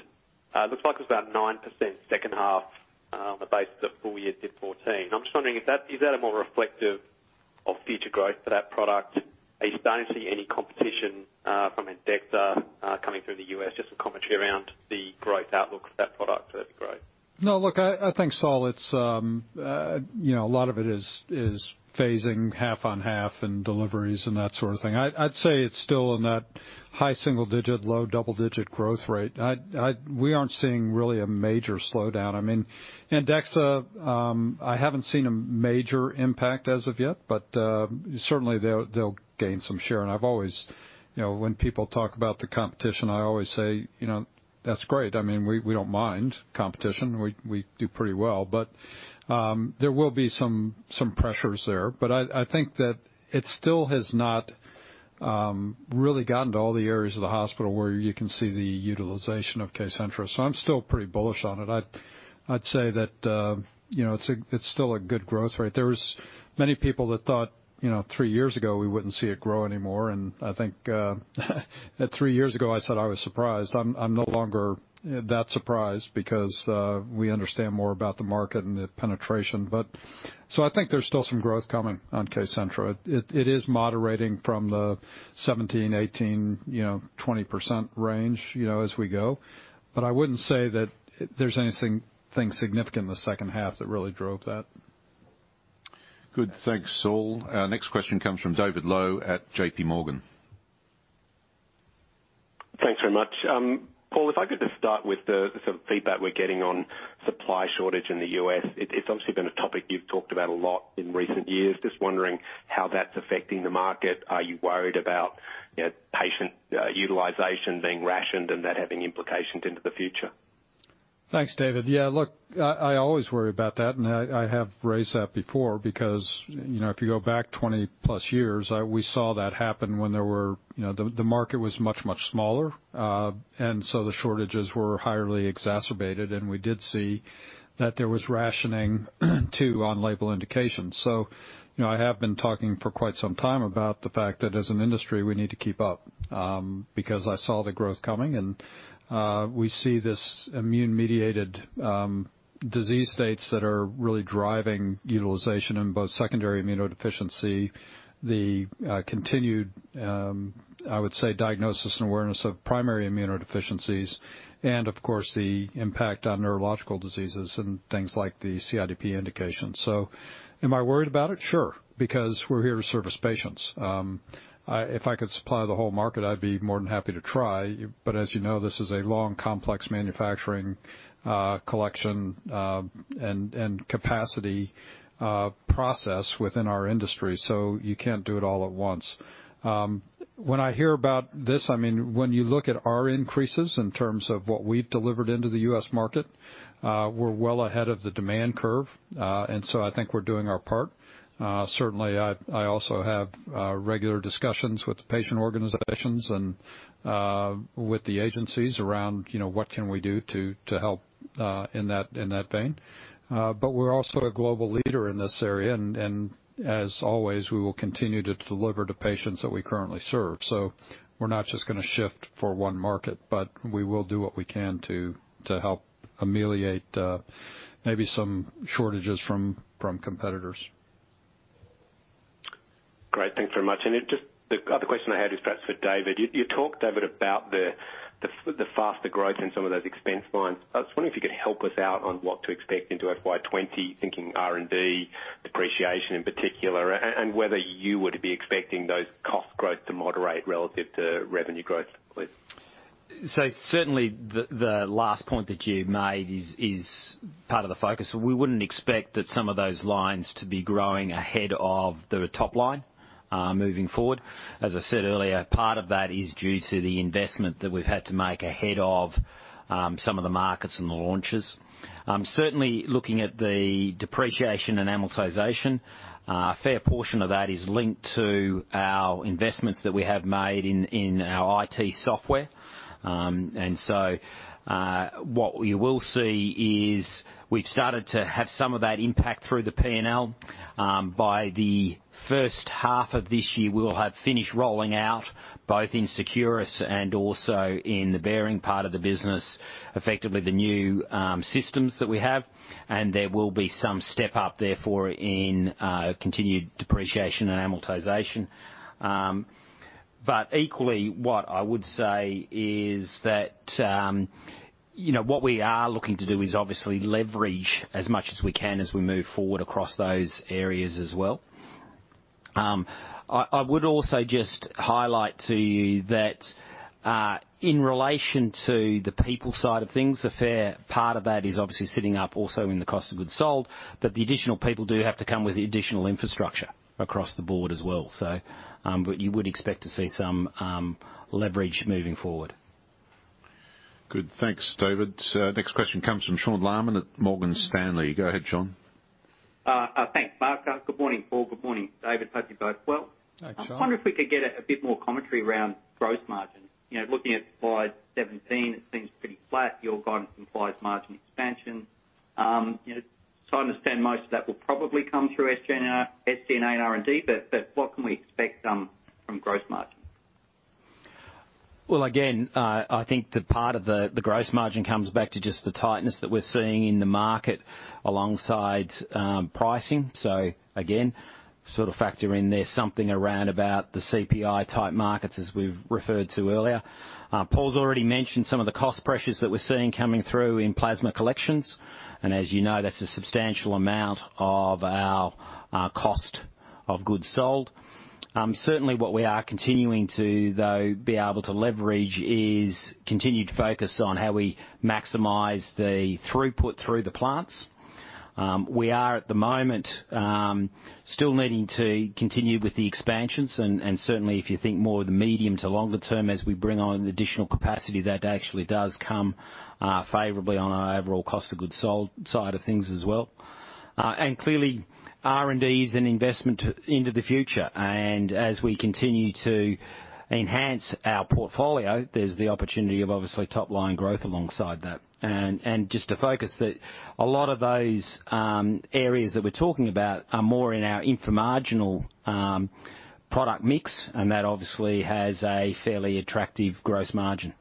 Looks like it was about 9% second half on the basis of full year did 14%. I'm just wondering, is that a more reflective of future growth for that product? Are you starting to see any competition from Andexxa coming through the U.S.? Just some commentary around the growth outlook for that product would be great. No, look, I think, Saul, a lot of it is phasing half on half and deliveries and that sort of thing. I'd say it's still in that high single digit, low double digit growth rate. We aren't seeing really a major slowdown. Andexxa, I haven't seen a major impact as of yet, but certainly they'll gain some share. When people talk about the competition, I always say, "That's great." We don't mind competition. We do pretty well. There will be some pressures there. I think that it still has not really gotten to all the areas of the hospital where you can see the utilization of KCENTRA. I'm still pretty bullish on it. I'd say that it's still a good growth rate. There was many people that thought three years ago we wouldn't see it grow anymore, and I think three years ago, I said I was surprised. I'm no longer that surprised because we understand more about the market and the penetration. I think there's still some growth coming on KCENTRA. It is moderating from the 17%, 18%, 20% range as we go. I wouldn't say that there's anything significant in the second half that really drove that. Good. Thanks, Saul. Our next question comes from David Low at J.P. Morgan. Thanks very much. Paul, if I could just start with the sort of feedback we're getting on supply shortage in the U.S. It's obviously been a topic you've talked about a lot in recent years. Just wondering how that's affecting the market. Are you worried about patient utilization being rationed and that having implications into the future? Thanks, David. Yeah, look, I always worry about that, and I have raised that before because if you go back 20 plus years, we saw that happen when the market was much, much smaller. The shortages were highly exacerbated, and we did see that there was rationing, too, on label indications. I have been talking for quite some time about the fact that as an industry, we need to keep up, because I saw the growth coming, and we see this immune-mediated disease states that are really driving utilization in both secondary immunodeficiency, the continued, I would say, diagnosis and awareness of primary immunodeficiencies, and of course, the impact on neurological diseases and things like the CIDP indication. Am I worried about it? Sure, because we're here to service patients. If I could supply the whole market, I'd be more than happy to try. As you know, this is a long, complex manufacturing collection and capacity process within our industry. You can't do it all at once. When I hear about this, when you look at our increases in terms of what we've delivered into the U.S. market, we're well ahead of the demand curve. I think we're doing our part. Certainly, I also have regular discussions with the patient organizations and with the agencies around what can we do to help in that vein. We're also a global leader in this area, and as always, we will continue to deliver to patients that we currently serve. We're not just going to shift for one market, but we will do what we can to help ameliorate maybe some shortages from competitors. Great. Thanks very much. Just the other question I had is perhaps for David. You talked, David, about the faster growth in some of those expense lines. I was wondering if you could help us out on what to expect into FY 2020, thinking R&D, depreciation in particular, and whether you would be expecting those cost growth to moderate relative to revenue growth, please. Certainly, the last point that you made is part of the focus. We wouldn't expect that some of those lines to be growing ahead of the top line moving forward. As I said earlier, part of that is due to the investment that we've had to make ahead of some of the markets and the launches. Certainly, looking at the depreciation and amortization, a fair portion of that is linked to our investments that we have made in our IT software. What you will see is we've started to have some of that impact through the P&L. By the first half of this year, we will have finished rolling out both in Seqirus and also in the Behring part of the business, effectively the new systems that we have. There will be some step up therefore in continued depreciation and amortization. Equally, what I would say is that what we are looking to do is obviously leverage as much as we can as we move forward across those areas as well. I would also just highlight to you that in relation to the people side of things, a fair part of that is obviously sitting up also in the cost of goods sold, but the additional people do have to come with the additional infrastructure across the board as well. You would expect to see some leverage moving forward. Good. Thanks, David. Next question comes from Sean Laaman at Morgan Stanley. Go ahead, Sean. Thanks, Mark. Good morning, Paul. Good morning, David. Hope you're both well. Hi, Sean. I wonder if we could get a bit more commentary around gross margin. Looking at FY 2017, it seems pretty flat. Your guidance implies margin expansion. I understand most of that will probably come through SG&A and R&D, but what can we expect from gross margin? Again, I think the part of the gross margin comes back to just the tightness that we're seeing in the market alongside pricing. So again, factor in there something around about the CPI-type markets as we've referred to earlier. Paul's already mentioned some of the cost pressures that we're seeing coming through in plasma collections. And as you know, that's a substantial amount of our cost of goods sold. Certainly what we are continuing to, though, be able to leverage is continued focus on how we maximize the throughput through the plants. We are, at the moment, still needing to continue with the expansions, and certainly if you think more of the medium to longer term as we bring on additional capacity, that actually does come favorably on our overall cost of goods sold side of things as well. And clearly, R&D is an investment into the future. As we continue to enhance our portfolio, there's the opportunity of obviously top-line growth alongside that. Just to focus that a lot of those areas that we're talking about are more in our infra-marginal product mix, and that obviously has a fairly attractive gross margin.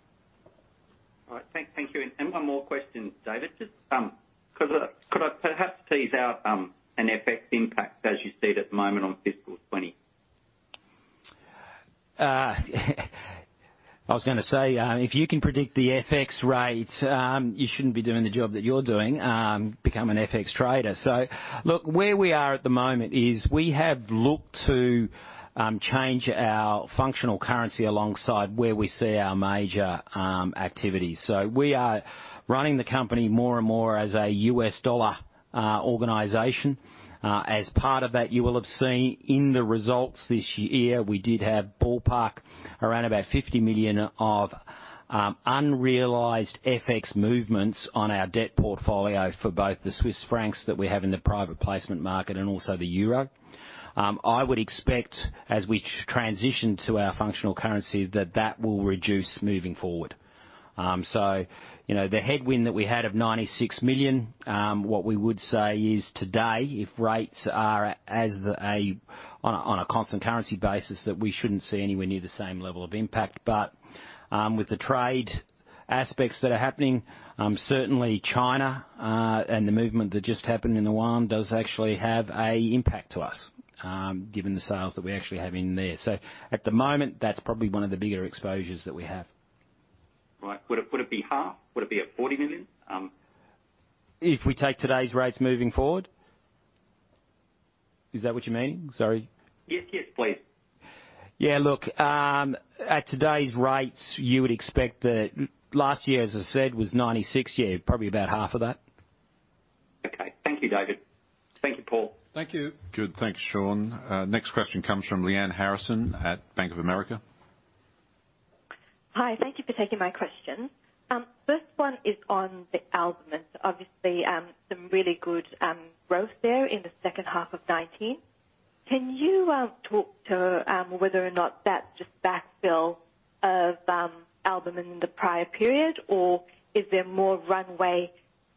All right. Thank you. One more question, David. Could I perhaps tease out an FX impact as you see it at the moment on fiscal 2020? I was going to say, if you can predict the FX rate, you shouldn't be doing the job that you're doing. Become an FX trader. Look, where we are at the moment is we have looked to change our functional currency alongside where we see our major activities. We are running the company more and more as a U.S. dollar organization. As part of that, you will have seen in the results this year, we did have ballpark around about $50 million of unrealized FX movements on our debt portfolio for both the Swiss francs that we have in the private placement market and also the euro. I would expect as we transition to our functional currency that that will reduce moving forward. The headwind that we had of 96 million, what we would say is today, if rates are on a constant currency basis, that we shouldn't see anywhere near the same level of impact. With the trade aspects that are happening, certainly China and the movement that just happened in the Yuan does actually have a impact to us, given the sales that we actually have in there. At the moment, that's probably one of the bigger exposures that we have. Right. Would it be half? Would it be at 40 million? If we take today's rates moving forward? Is that what you mean? Sorry. Yes. Please. Yeah, look, at today's rates, you would expect that last year, as I said, was 96. Yeah, probably about half of that. Okay. Thank you, David. Thank you, Paul. Thank you. Good. Thanks, Sean. Next question comes from Lyanne Harrison at Bank of America. Hi. Thank you for taking my question. First one is on the albumin. Obviously, some really good growth there in the second half of 2019. Can you talk to whether or not that's just backfill of albumin in the prior period, or is there more runway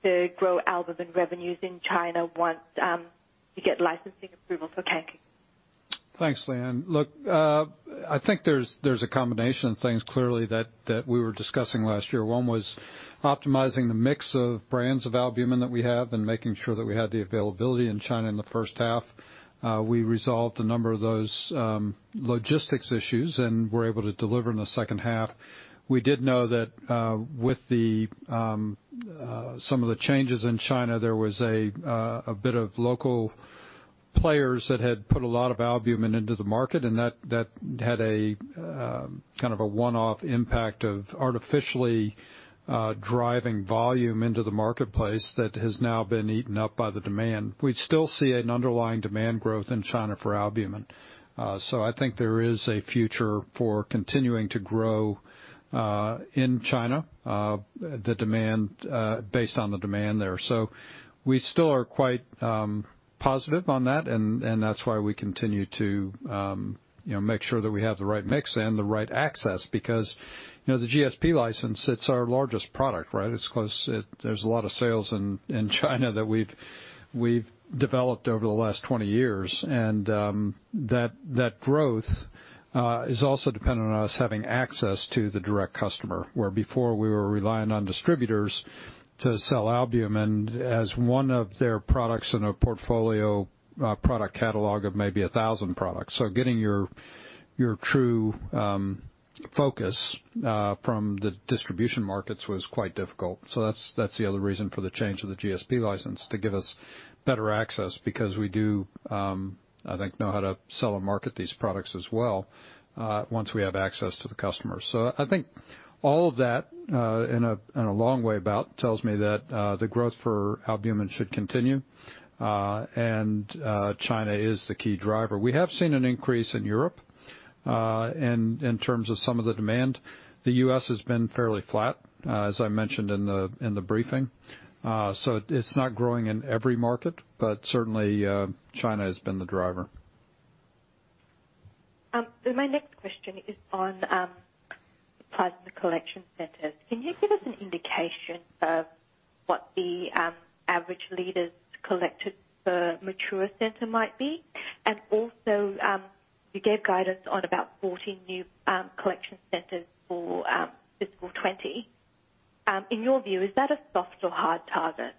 to grow albumin revenues in China once you get licensing approval for Kankakee? Thanks, Lyanne. Look, I think there's a combination of things, clearly, that we were discussing last year. One was optimizing the mix of brands of albumin that we have and making sure that we had the availability in China in the first half. We resolved a number of those logistics issues and were able to deliver in the second half. We did know that with some of the changes in China, there was a bit of local players that had put a lot of albumin into the market, and that had a one-off impact of artificially driving volume into the marketplace that has now been eaten up by the demand. We still see an underlying demand growth in China for albumin. I think there is a future for continuing to grow in China based on the demand there. We still are quite positive on that, and that's why we continue to make sure that we have the right mix and the right access because the GSP license, it's our largest product, right? There's a lot of sales in China that we've developed over the last 20 years. That growth is also dependent on us having access to the direct customer, where before we were relying on distributors to sell albumin as one of their products in a portfolio product catalog of maybe 1,000 products. Getting your true focus from the distribution markets was quite difficult. That's the other reason for the change of the GSP license, to give us better access because we do, I think, know how to sell and market these products as well once we have access to the customers. I think all of that, in a long way about, tells me that the growth for albumin should continue and China is the key driver. We have seen an increase in Europe in terms of some of the demand. The U.S. has been fairly flat, as I mentioned in the briefing. It's not growing in every market, but certainly China has been the driver. My next question is on plasma collection centers. Can you give us an indication of what the average liters collected per mature center might be? You gave guidance on about 40 new collection centers for fiscal 2020. In your view, is that a soft or hard target?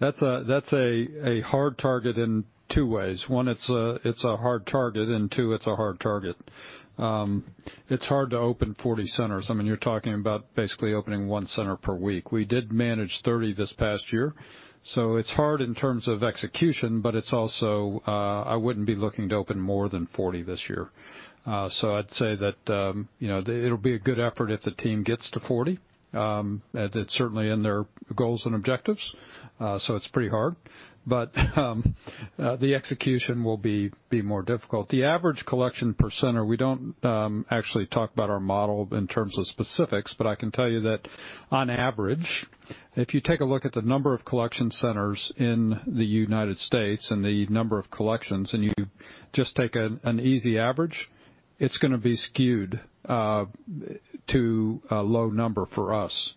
That's a hard target in two ways. One, it's a hard target, and two, it's a hard target. It's hard to open 40 centers. You're talking about basically opening one center per week. We did manage 30 this past year. It's hard in terms of execution, but it's also, I wouldn't be looking to open more than 40 this year. I'd say that it'll be a good effort if the team gets to 40. It's certainly in their goals and objectives, so it's pretty hard. The execution will be more difficult. The average collection per center, we don't actually talk about our model in terms of specifics, but I can tell you that on average, if you take a look at the number of collection centers in the U.S. and the number of collections, and you just take an easy average, it's going to be skewed to a low number for us.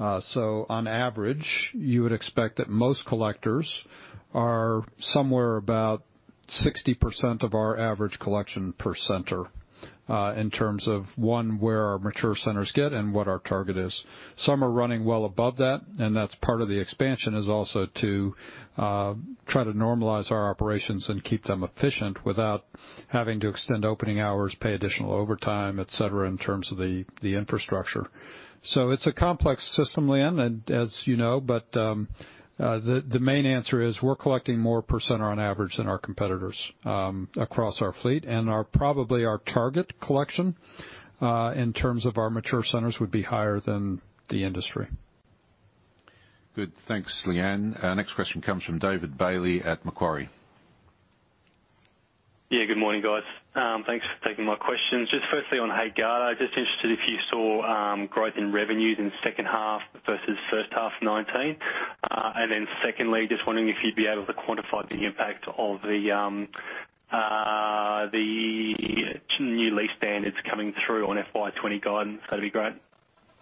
On average, you would expect that most collectors are somewhere about 60% of our average collection per center in terms of, one, where our mature centers get and what our target is. Some are running well above that's part of the expansion is also to try to normalize our operations and keep them efficient without having to extend opening hours, pay additional overtime, et cetera, in terms of the infrastructure. It's a complex system, Lyanne, as you know, but the main answer is we're collecting more per center on average than our competitors across our fleet, and probably our target collection in terms of our mature centers would be higher than the industry. Good. Thanks, Lyanne. Next question comes from David Bailey at Macquarie. Yeah, good morning, guys. Thanks for taking my questions. Just firstly on HAEGARDA. Just interested if you saw growth in revenues in second half versus first half 2019. Secondly, just wondering if you'd be able to quantify the impact of the two new lease standards coming through on FY 2020 guidance. That'd be great.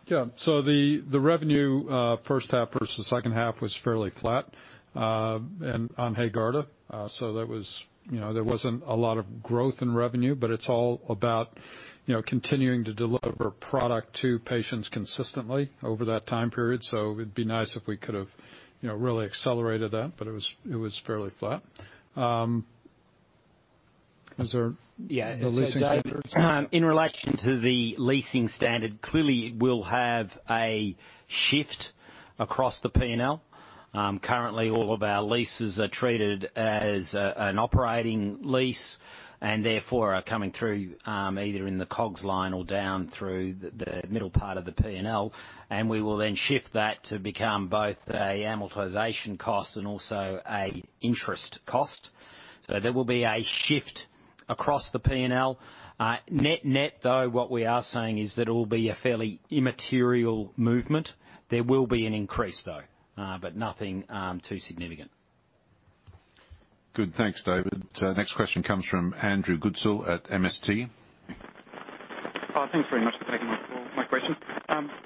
Yeah. The revenue first half versus second half was fairly flat on HAEGARDA. There wasn't a lot of growth in revenue, but it's all about continuing to deliver product to patients consistently over that time period. It'd be nice if we could have really accelerated that, but it was fairly flat. Was there the leasing standard? Yeah. In relation to the leasing standard, clearly we'll have a shift across the P&L. Currently all of our leases are treated as an operating lease and therefore are coming through either in the COGS line or down through the middle part of the P&L, and we will then shift that to become both a amortization cost and also a interest cost. There will be a shift across the P&L. Net though, what we are saying is that it will be a fairly immaterial movement. There will be an increase though but nothing too significant. Good. Thanks, David. Next question comes from Andrew Goodsall at MST. Thanks very much for taking my call, my question.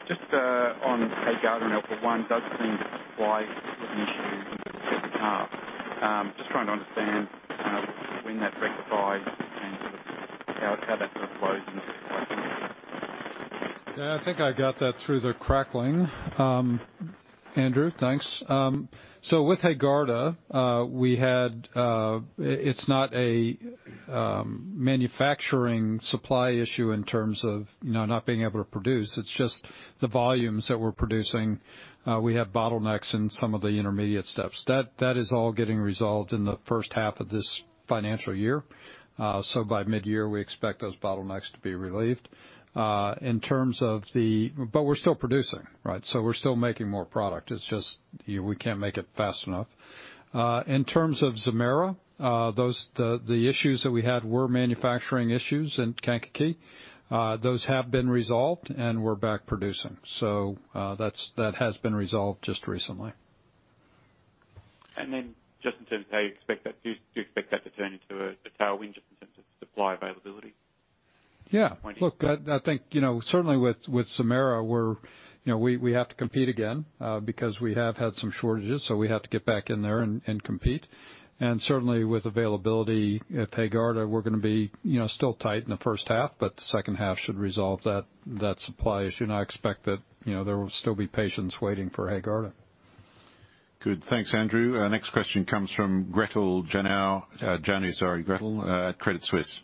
Just on HAEGARDA and Alpha-1, does seem to supply an issue in the first half. Just trying to understand when that's rectified and how that flows into. Yeah, I think I got that through the crackling. Andrew, thanks. With HAEGARDA, it's not a manufacturing supply issue in terms of not being able to produce. It's just the volumes that we're producing, we have bottlenecks in some of the intermediate steps. That is all getting resolved in the first half of this financial year. By mid-year, we expect those bottlenecks to be relieved. We're still producing, right? We're still making more product. It's just, we can't make it fast enough. In terms of ZEMAIRA, the issues that we had were manufacturing issues in Kankakee. Those have been resolved, and we're back producing. That has been resolved just recently. Just in terms of how you expect that, do you expect that to turn into a tailwind just in terms of supply availability point? Look, I think, certainly with ZEMAIRA, we have to compete again, because we have had some shortages, so we have to get back in there and compete. Certainly with availability at HAEGARDA, we're going to be still tight in the first half, but the second half should resolve that supply issue, and I expect that there will still be patients waiting for HAEGARDA. Good. Thanks, Andrew. Next question comes from Gretel Janu, sorry, Gretel, Credit Suisse.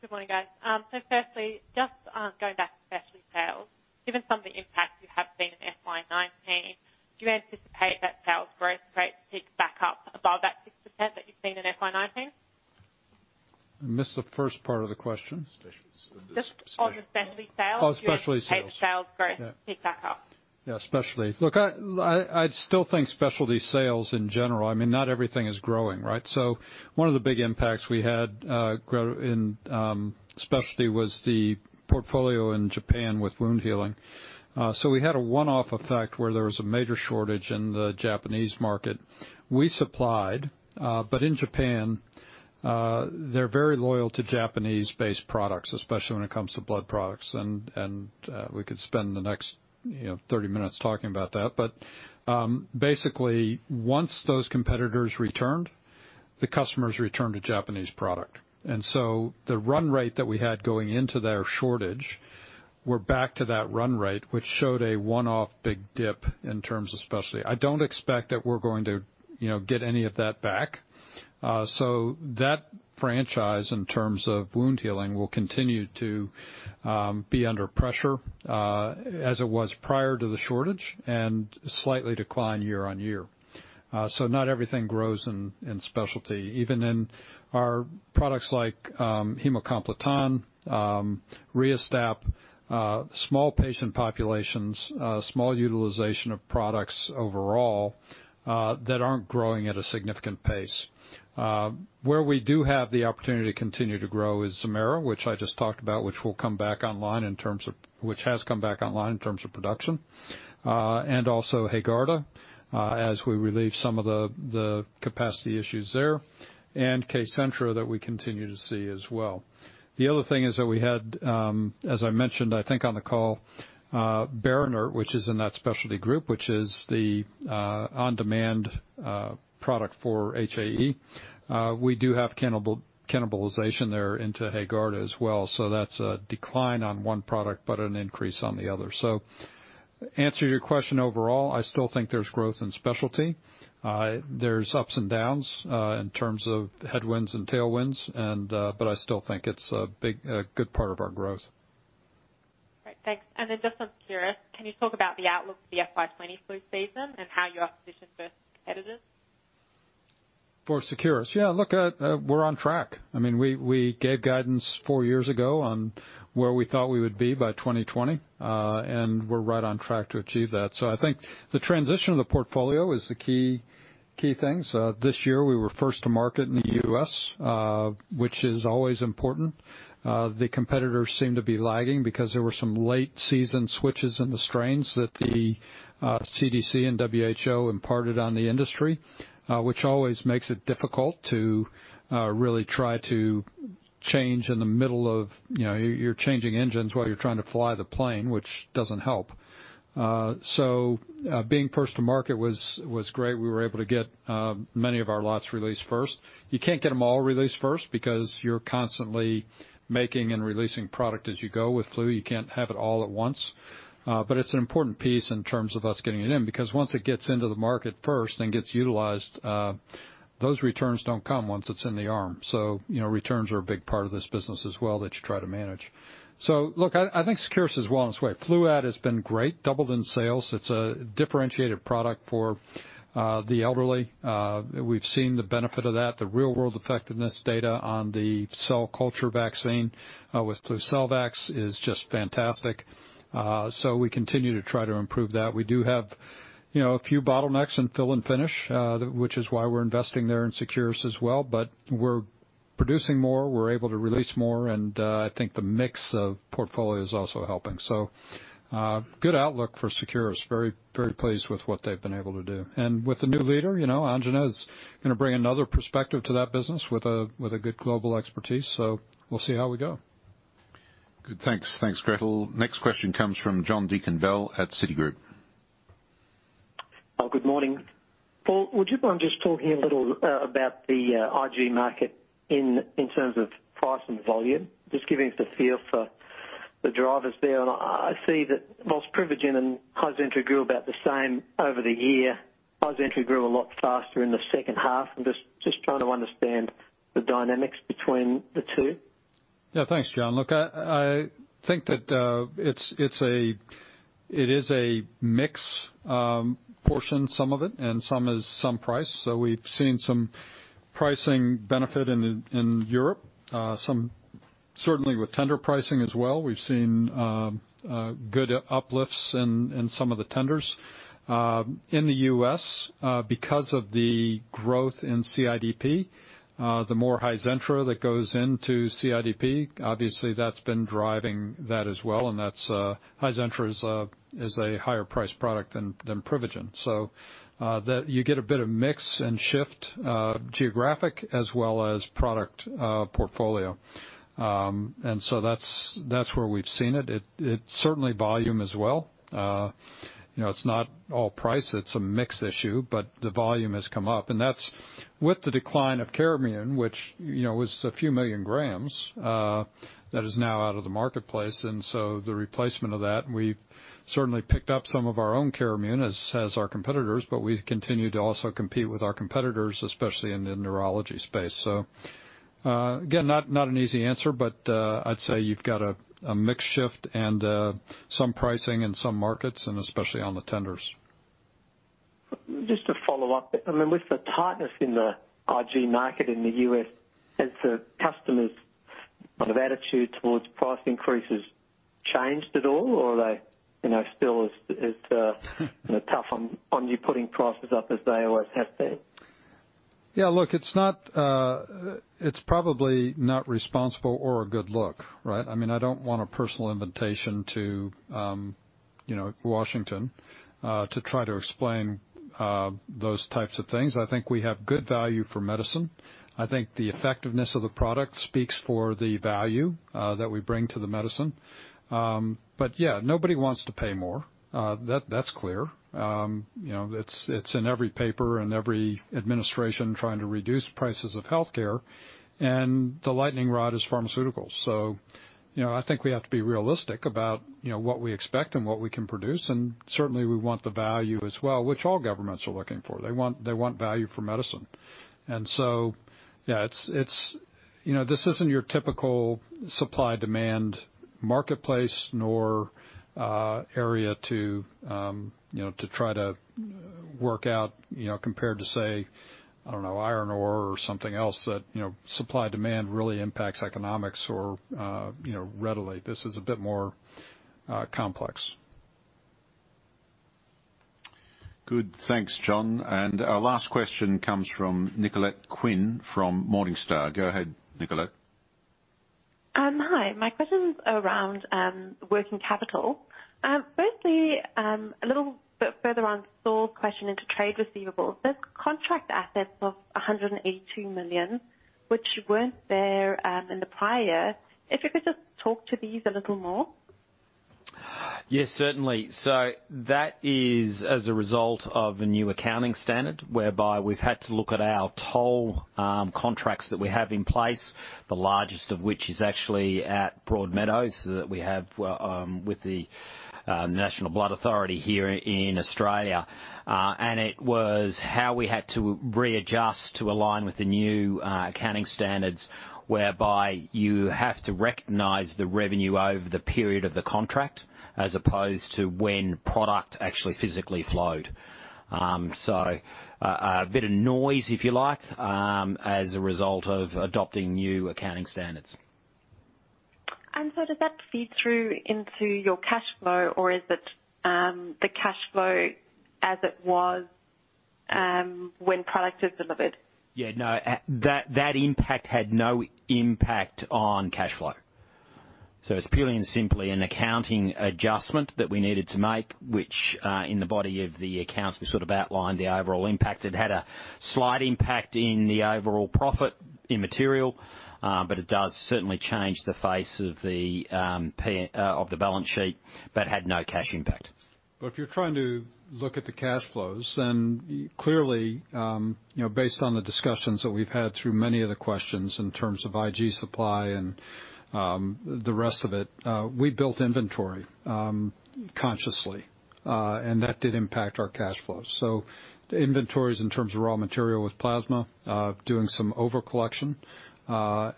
Hey, good morning, guys. Firstly, just going back to specialty sales, given some of the impacts you have seen in FY 2019, do you anticipate that sales growth rate to pick back up above that 6% that you've seen in FY 2019? I missed the first part of the question. Specialty sales. Just on the specialty sales. Oh, specialty sales. Do you anticipate the sales growth to pick back up? Yeah, specialty. Look, I still think specialty sales in general, I mean, not everything is growing, right? One of the big impacts we had, Gretel, in specialty was the portfolio in Japan with wound healing. We had a one-off effect where there was a major shortage in the Japanese market. We supplied, but in Japan, they're very loyal to Japanese-based products, especially when it comes to blood products. We could spend the next 30 minutes talking about that. Basically, once those competitors returned, the customers returned to Japanese product. The run rate that we had going into their shortage, we're back to that run rate, which showed a one-off big dip in terms of specialty. I don't expect that we're going to get any of that back. That franchise in terms of wound healing will continue to be under pressure as it was prior to the shortage, and slightly decline year-on-year. Not everything grows in specialty. Even in our products like Haemocomplettan, RiaSTAP, small patient populations, small utilization of products overall, that aren't growing at a significant pace. Where we do have the opportunity to continue to grow is ZEMAIRA, which I just talked about, which has come back online in terms of production. Also HAEGARDA as we relieve some of the capacity issues there, and KCENTRA that we continue to see as well. The other thing is that we had, as I mentioned, I think on the call, BERINERT, which is in that specialty group, which is the on-demand product for HAE. We do have cannibalization there into HAEGARDA as well, so that's a decline on one product but an increase on the other. To answer your question overall, I still think there's growth in specialty. There's ups and downs in terms of headwinds and tailwinds, but I still think it's a good part of our growth. Great. Thanks. Then just on Seqirus, can you talk about the outlook for the FY 2020 flu season and how you are positioned versus competitors? For Seqirus? Yeah, look, we're on track. We gave guidance four years ago on where we thought we would be by 2020. We're right on track to achieve that. I think the transition of the portfolio is the key thing. This year, we were first to market in the U.S., which is always important. The competitors seem to be lagging because there were some late season switches in the strains that the CDC and WHO imparted on the industry, which always makes it difficult to really try to change. You're changing engines while you're trying to fly the plane, which doesn't help. Being first to market was great. We were able to get many of our lots released first. You can't get them all released first because you're constantly making and releasing product as you go with flu. You can't have it all at once. It's an important piece in terms of us getting it in, because once it gets into the market first, then gets utilized, those returns don't come once it's in the arm. Returns are a big part of this business as well that you try to manage. I think Seqirus is well on its way. Fluad has been great, doubled in sales. It's a differentiated product for the elderly. We've seen the benefit of that. The real-world effectiveness data on the cell culture vaccine with FLUCELVAX is just fantastic. We continue to try to improve that. We do have a few bottlenecks in fill and finish, which is why we're investing there in Seqirus as well. We're producing more, we're able to release more, and I think the mix of portfolio is also helping. Good outlook for Seqirus, very pleased with what they've been able to do. With the new leader, Anjana is going to bring another perspective to that business with a good global expertise. We'll see how we go. Good, thanks Gretel. Next question comes from John Deakin-Bell at Citigroup. Good morning. Paul, would you mind just talking a little about the IG market in terms of price and volume? Just giving us a feel for the drivers there. I see that whilst Privigen and HIZENTRA grew about the same over the year, HIZENTRA grew a lot faster in the second half. I'm just trying to understand the dynamics between the two. Thanks, John. Look, I think that it is a mix portion, some of it, and some is price. We've seen some pricing benefit in Europe, certainly with tender pricing as well. We've seen good uplifts in some of the tenders. In the U.S., because of the growth in CIDP, the more HIZENTRA that goes into CIDP, obviously that's been driving that as well, and HIZENTRA is a higher priced product than Privigen. You get a bit of mix and shift, geographic as well as product portfolio. That's where we've seen it. It's certainly volume as well. It's not all price, it's a mix issue, but the volume has come up, and that's with the decline of Carimune, which was a few million grams, that is now out of the marketplace. The replacement of that, we've certainly picked up some of our own Carimune, as has our competitors, but we've continued to also compete with our competitors, especially in the neurology space. Again, not an easy answer, but I'd say you've got a mix shift and some pricing in some markets and especially on the tenders. Just to follow up. With the tightness in the IG market in the U.S., has the customers' attitude towards price increases changed at all, or are they still as tough on you putting prices up as they always have been? Yeah, look, it's probably not responsible or a good look, right? I don't want a personal invitation to Washington to try to explain those types of things. I think we have good value for medicine. I think the effectiveness of the product speaks for the value that we bring to the medicine. Yeah, nobody wants to pay more. That's clear. It's in every paper, every administration trying to reduce prices of healthcare, and the lightning rod is pharmaceuticals. I think we have to be realistic about what we expect and what we can produce. Certainly, we want the value as well, which all governments are looking for. They want value for medicine. This isn't your typical supply/demand marketplace nor area to try to work out compared to, say, I don't know, iron ore or something else that supply/demand really impacts economics readily. This is a bit more complex. Good. Thanks, John. Our last question comes from Nicolette Quinn from Morningstar. Go ahead, Nicolette. Hi. My question is around working capital. Firstly, a little bit further on Saul's question into trade receivables. There's contract assets of 182 million, which weren't there in the prior. If you could just talk to these a little more. Yes, certainly. That is as a result of a new accounting standard, whereby we've had to look at our toll contracts that we have in place, the largest of which is actually at Broadmeadows, that we have with the National Blood Authority here in Australia. It was how we had to readjust to align with the new accounting standards, whereby you have to recognize the revenue over the period of the contract as opposed to when product actually physically flowed. A bit of noise, if you like, as a result of adopting new accounting standards. Does that feed through into your cash flow or is it the cash flow as it was when product is delivered? Yeah, no, that had no impact on cash flow. It's purely and simply an accounting adjustment that we needed to make, which, in the body of the accounts, we outlined the overall impact. It had a slight impact in the overall profit immaterial, but it does certainly change the face of the balance sheet, but had no cash impact. If you're trying to look at the cash flows, then clearly, based on the discussions that we've had through many of the questions in terms of IG supply and the rest of it, we built inventory consciously, and that did impact our cash flows. The inventories in terms of raw material with plasma, doing some overcollection,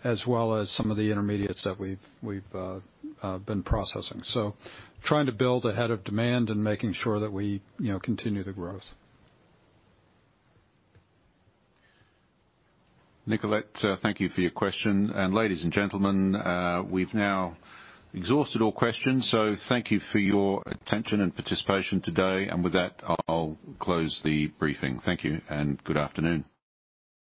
as well as some of the intermediates that we've been processing. Trying to build ahead of demand and making sure that we continue the growth. Nicolette, thank you for your question. Ladies and gentlemen, we've now exhausted all questions. Thank you for your attention and participation today. With that, I'll close the briefing. Thank you and good afternoon.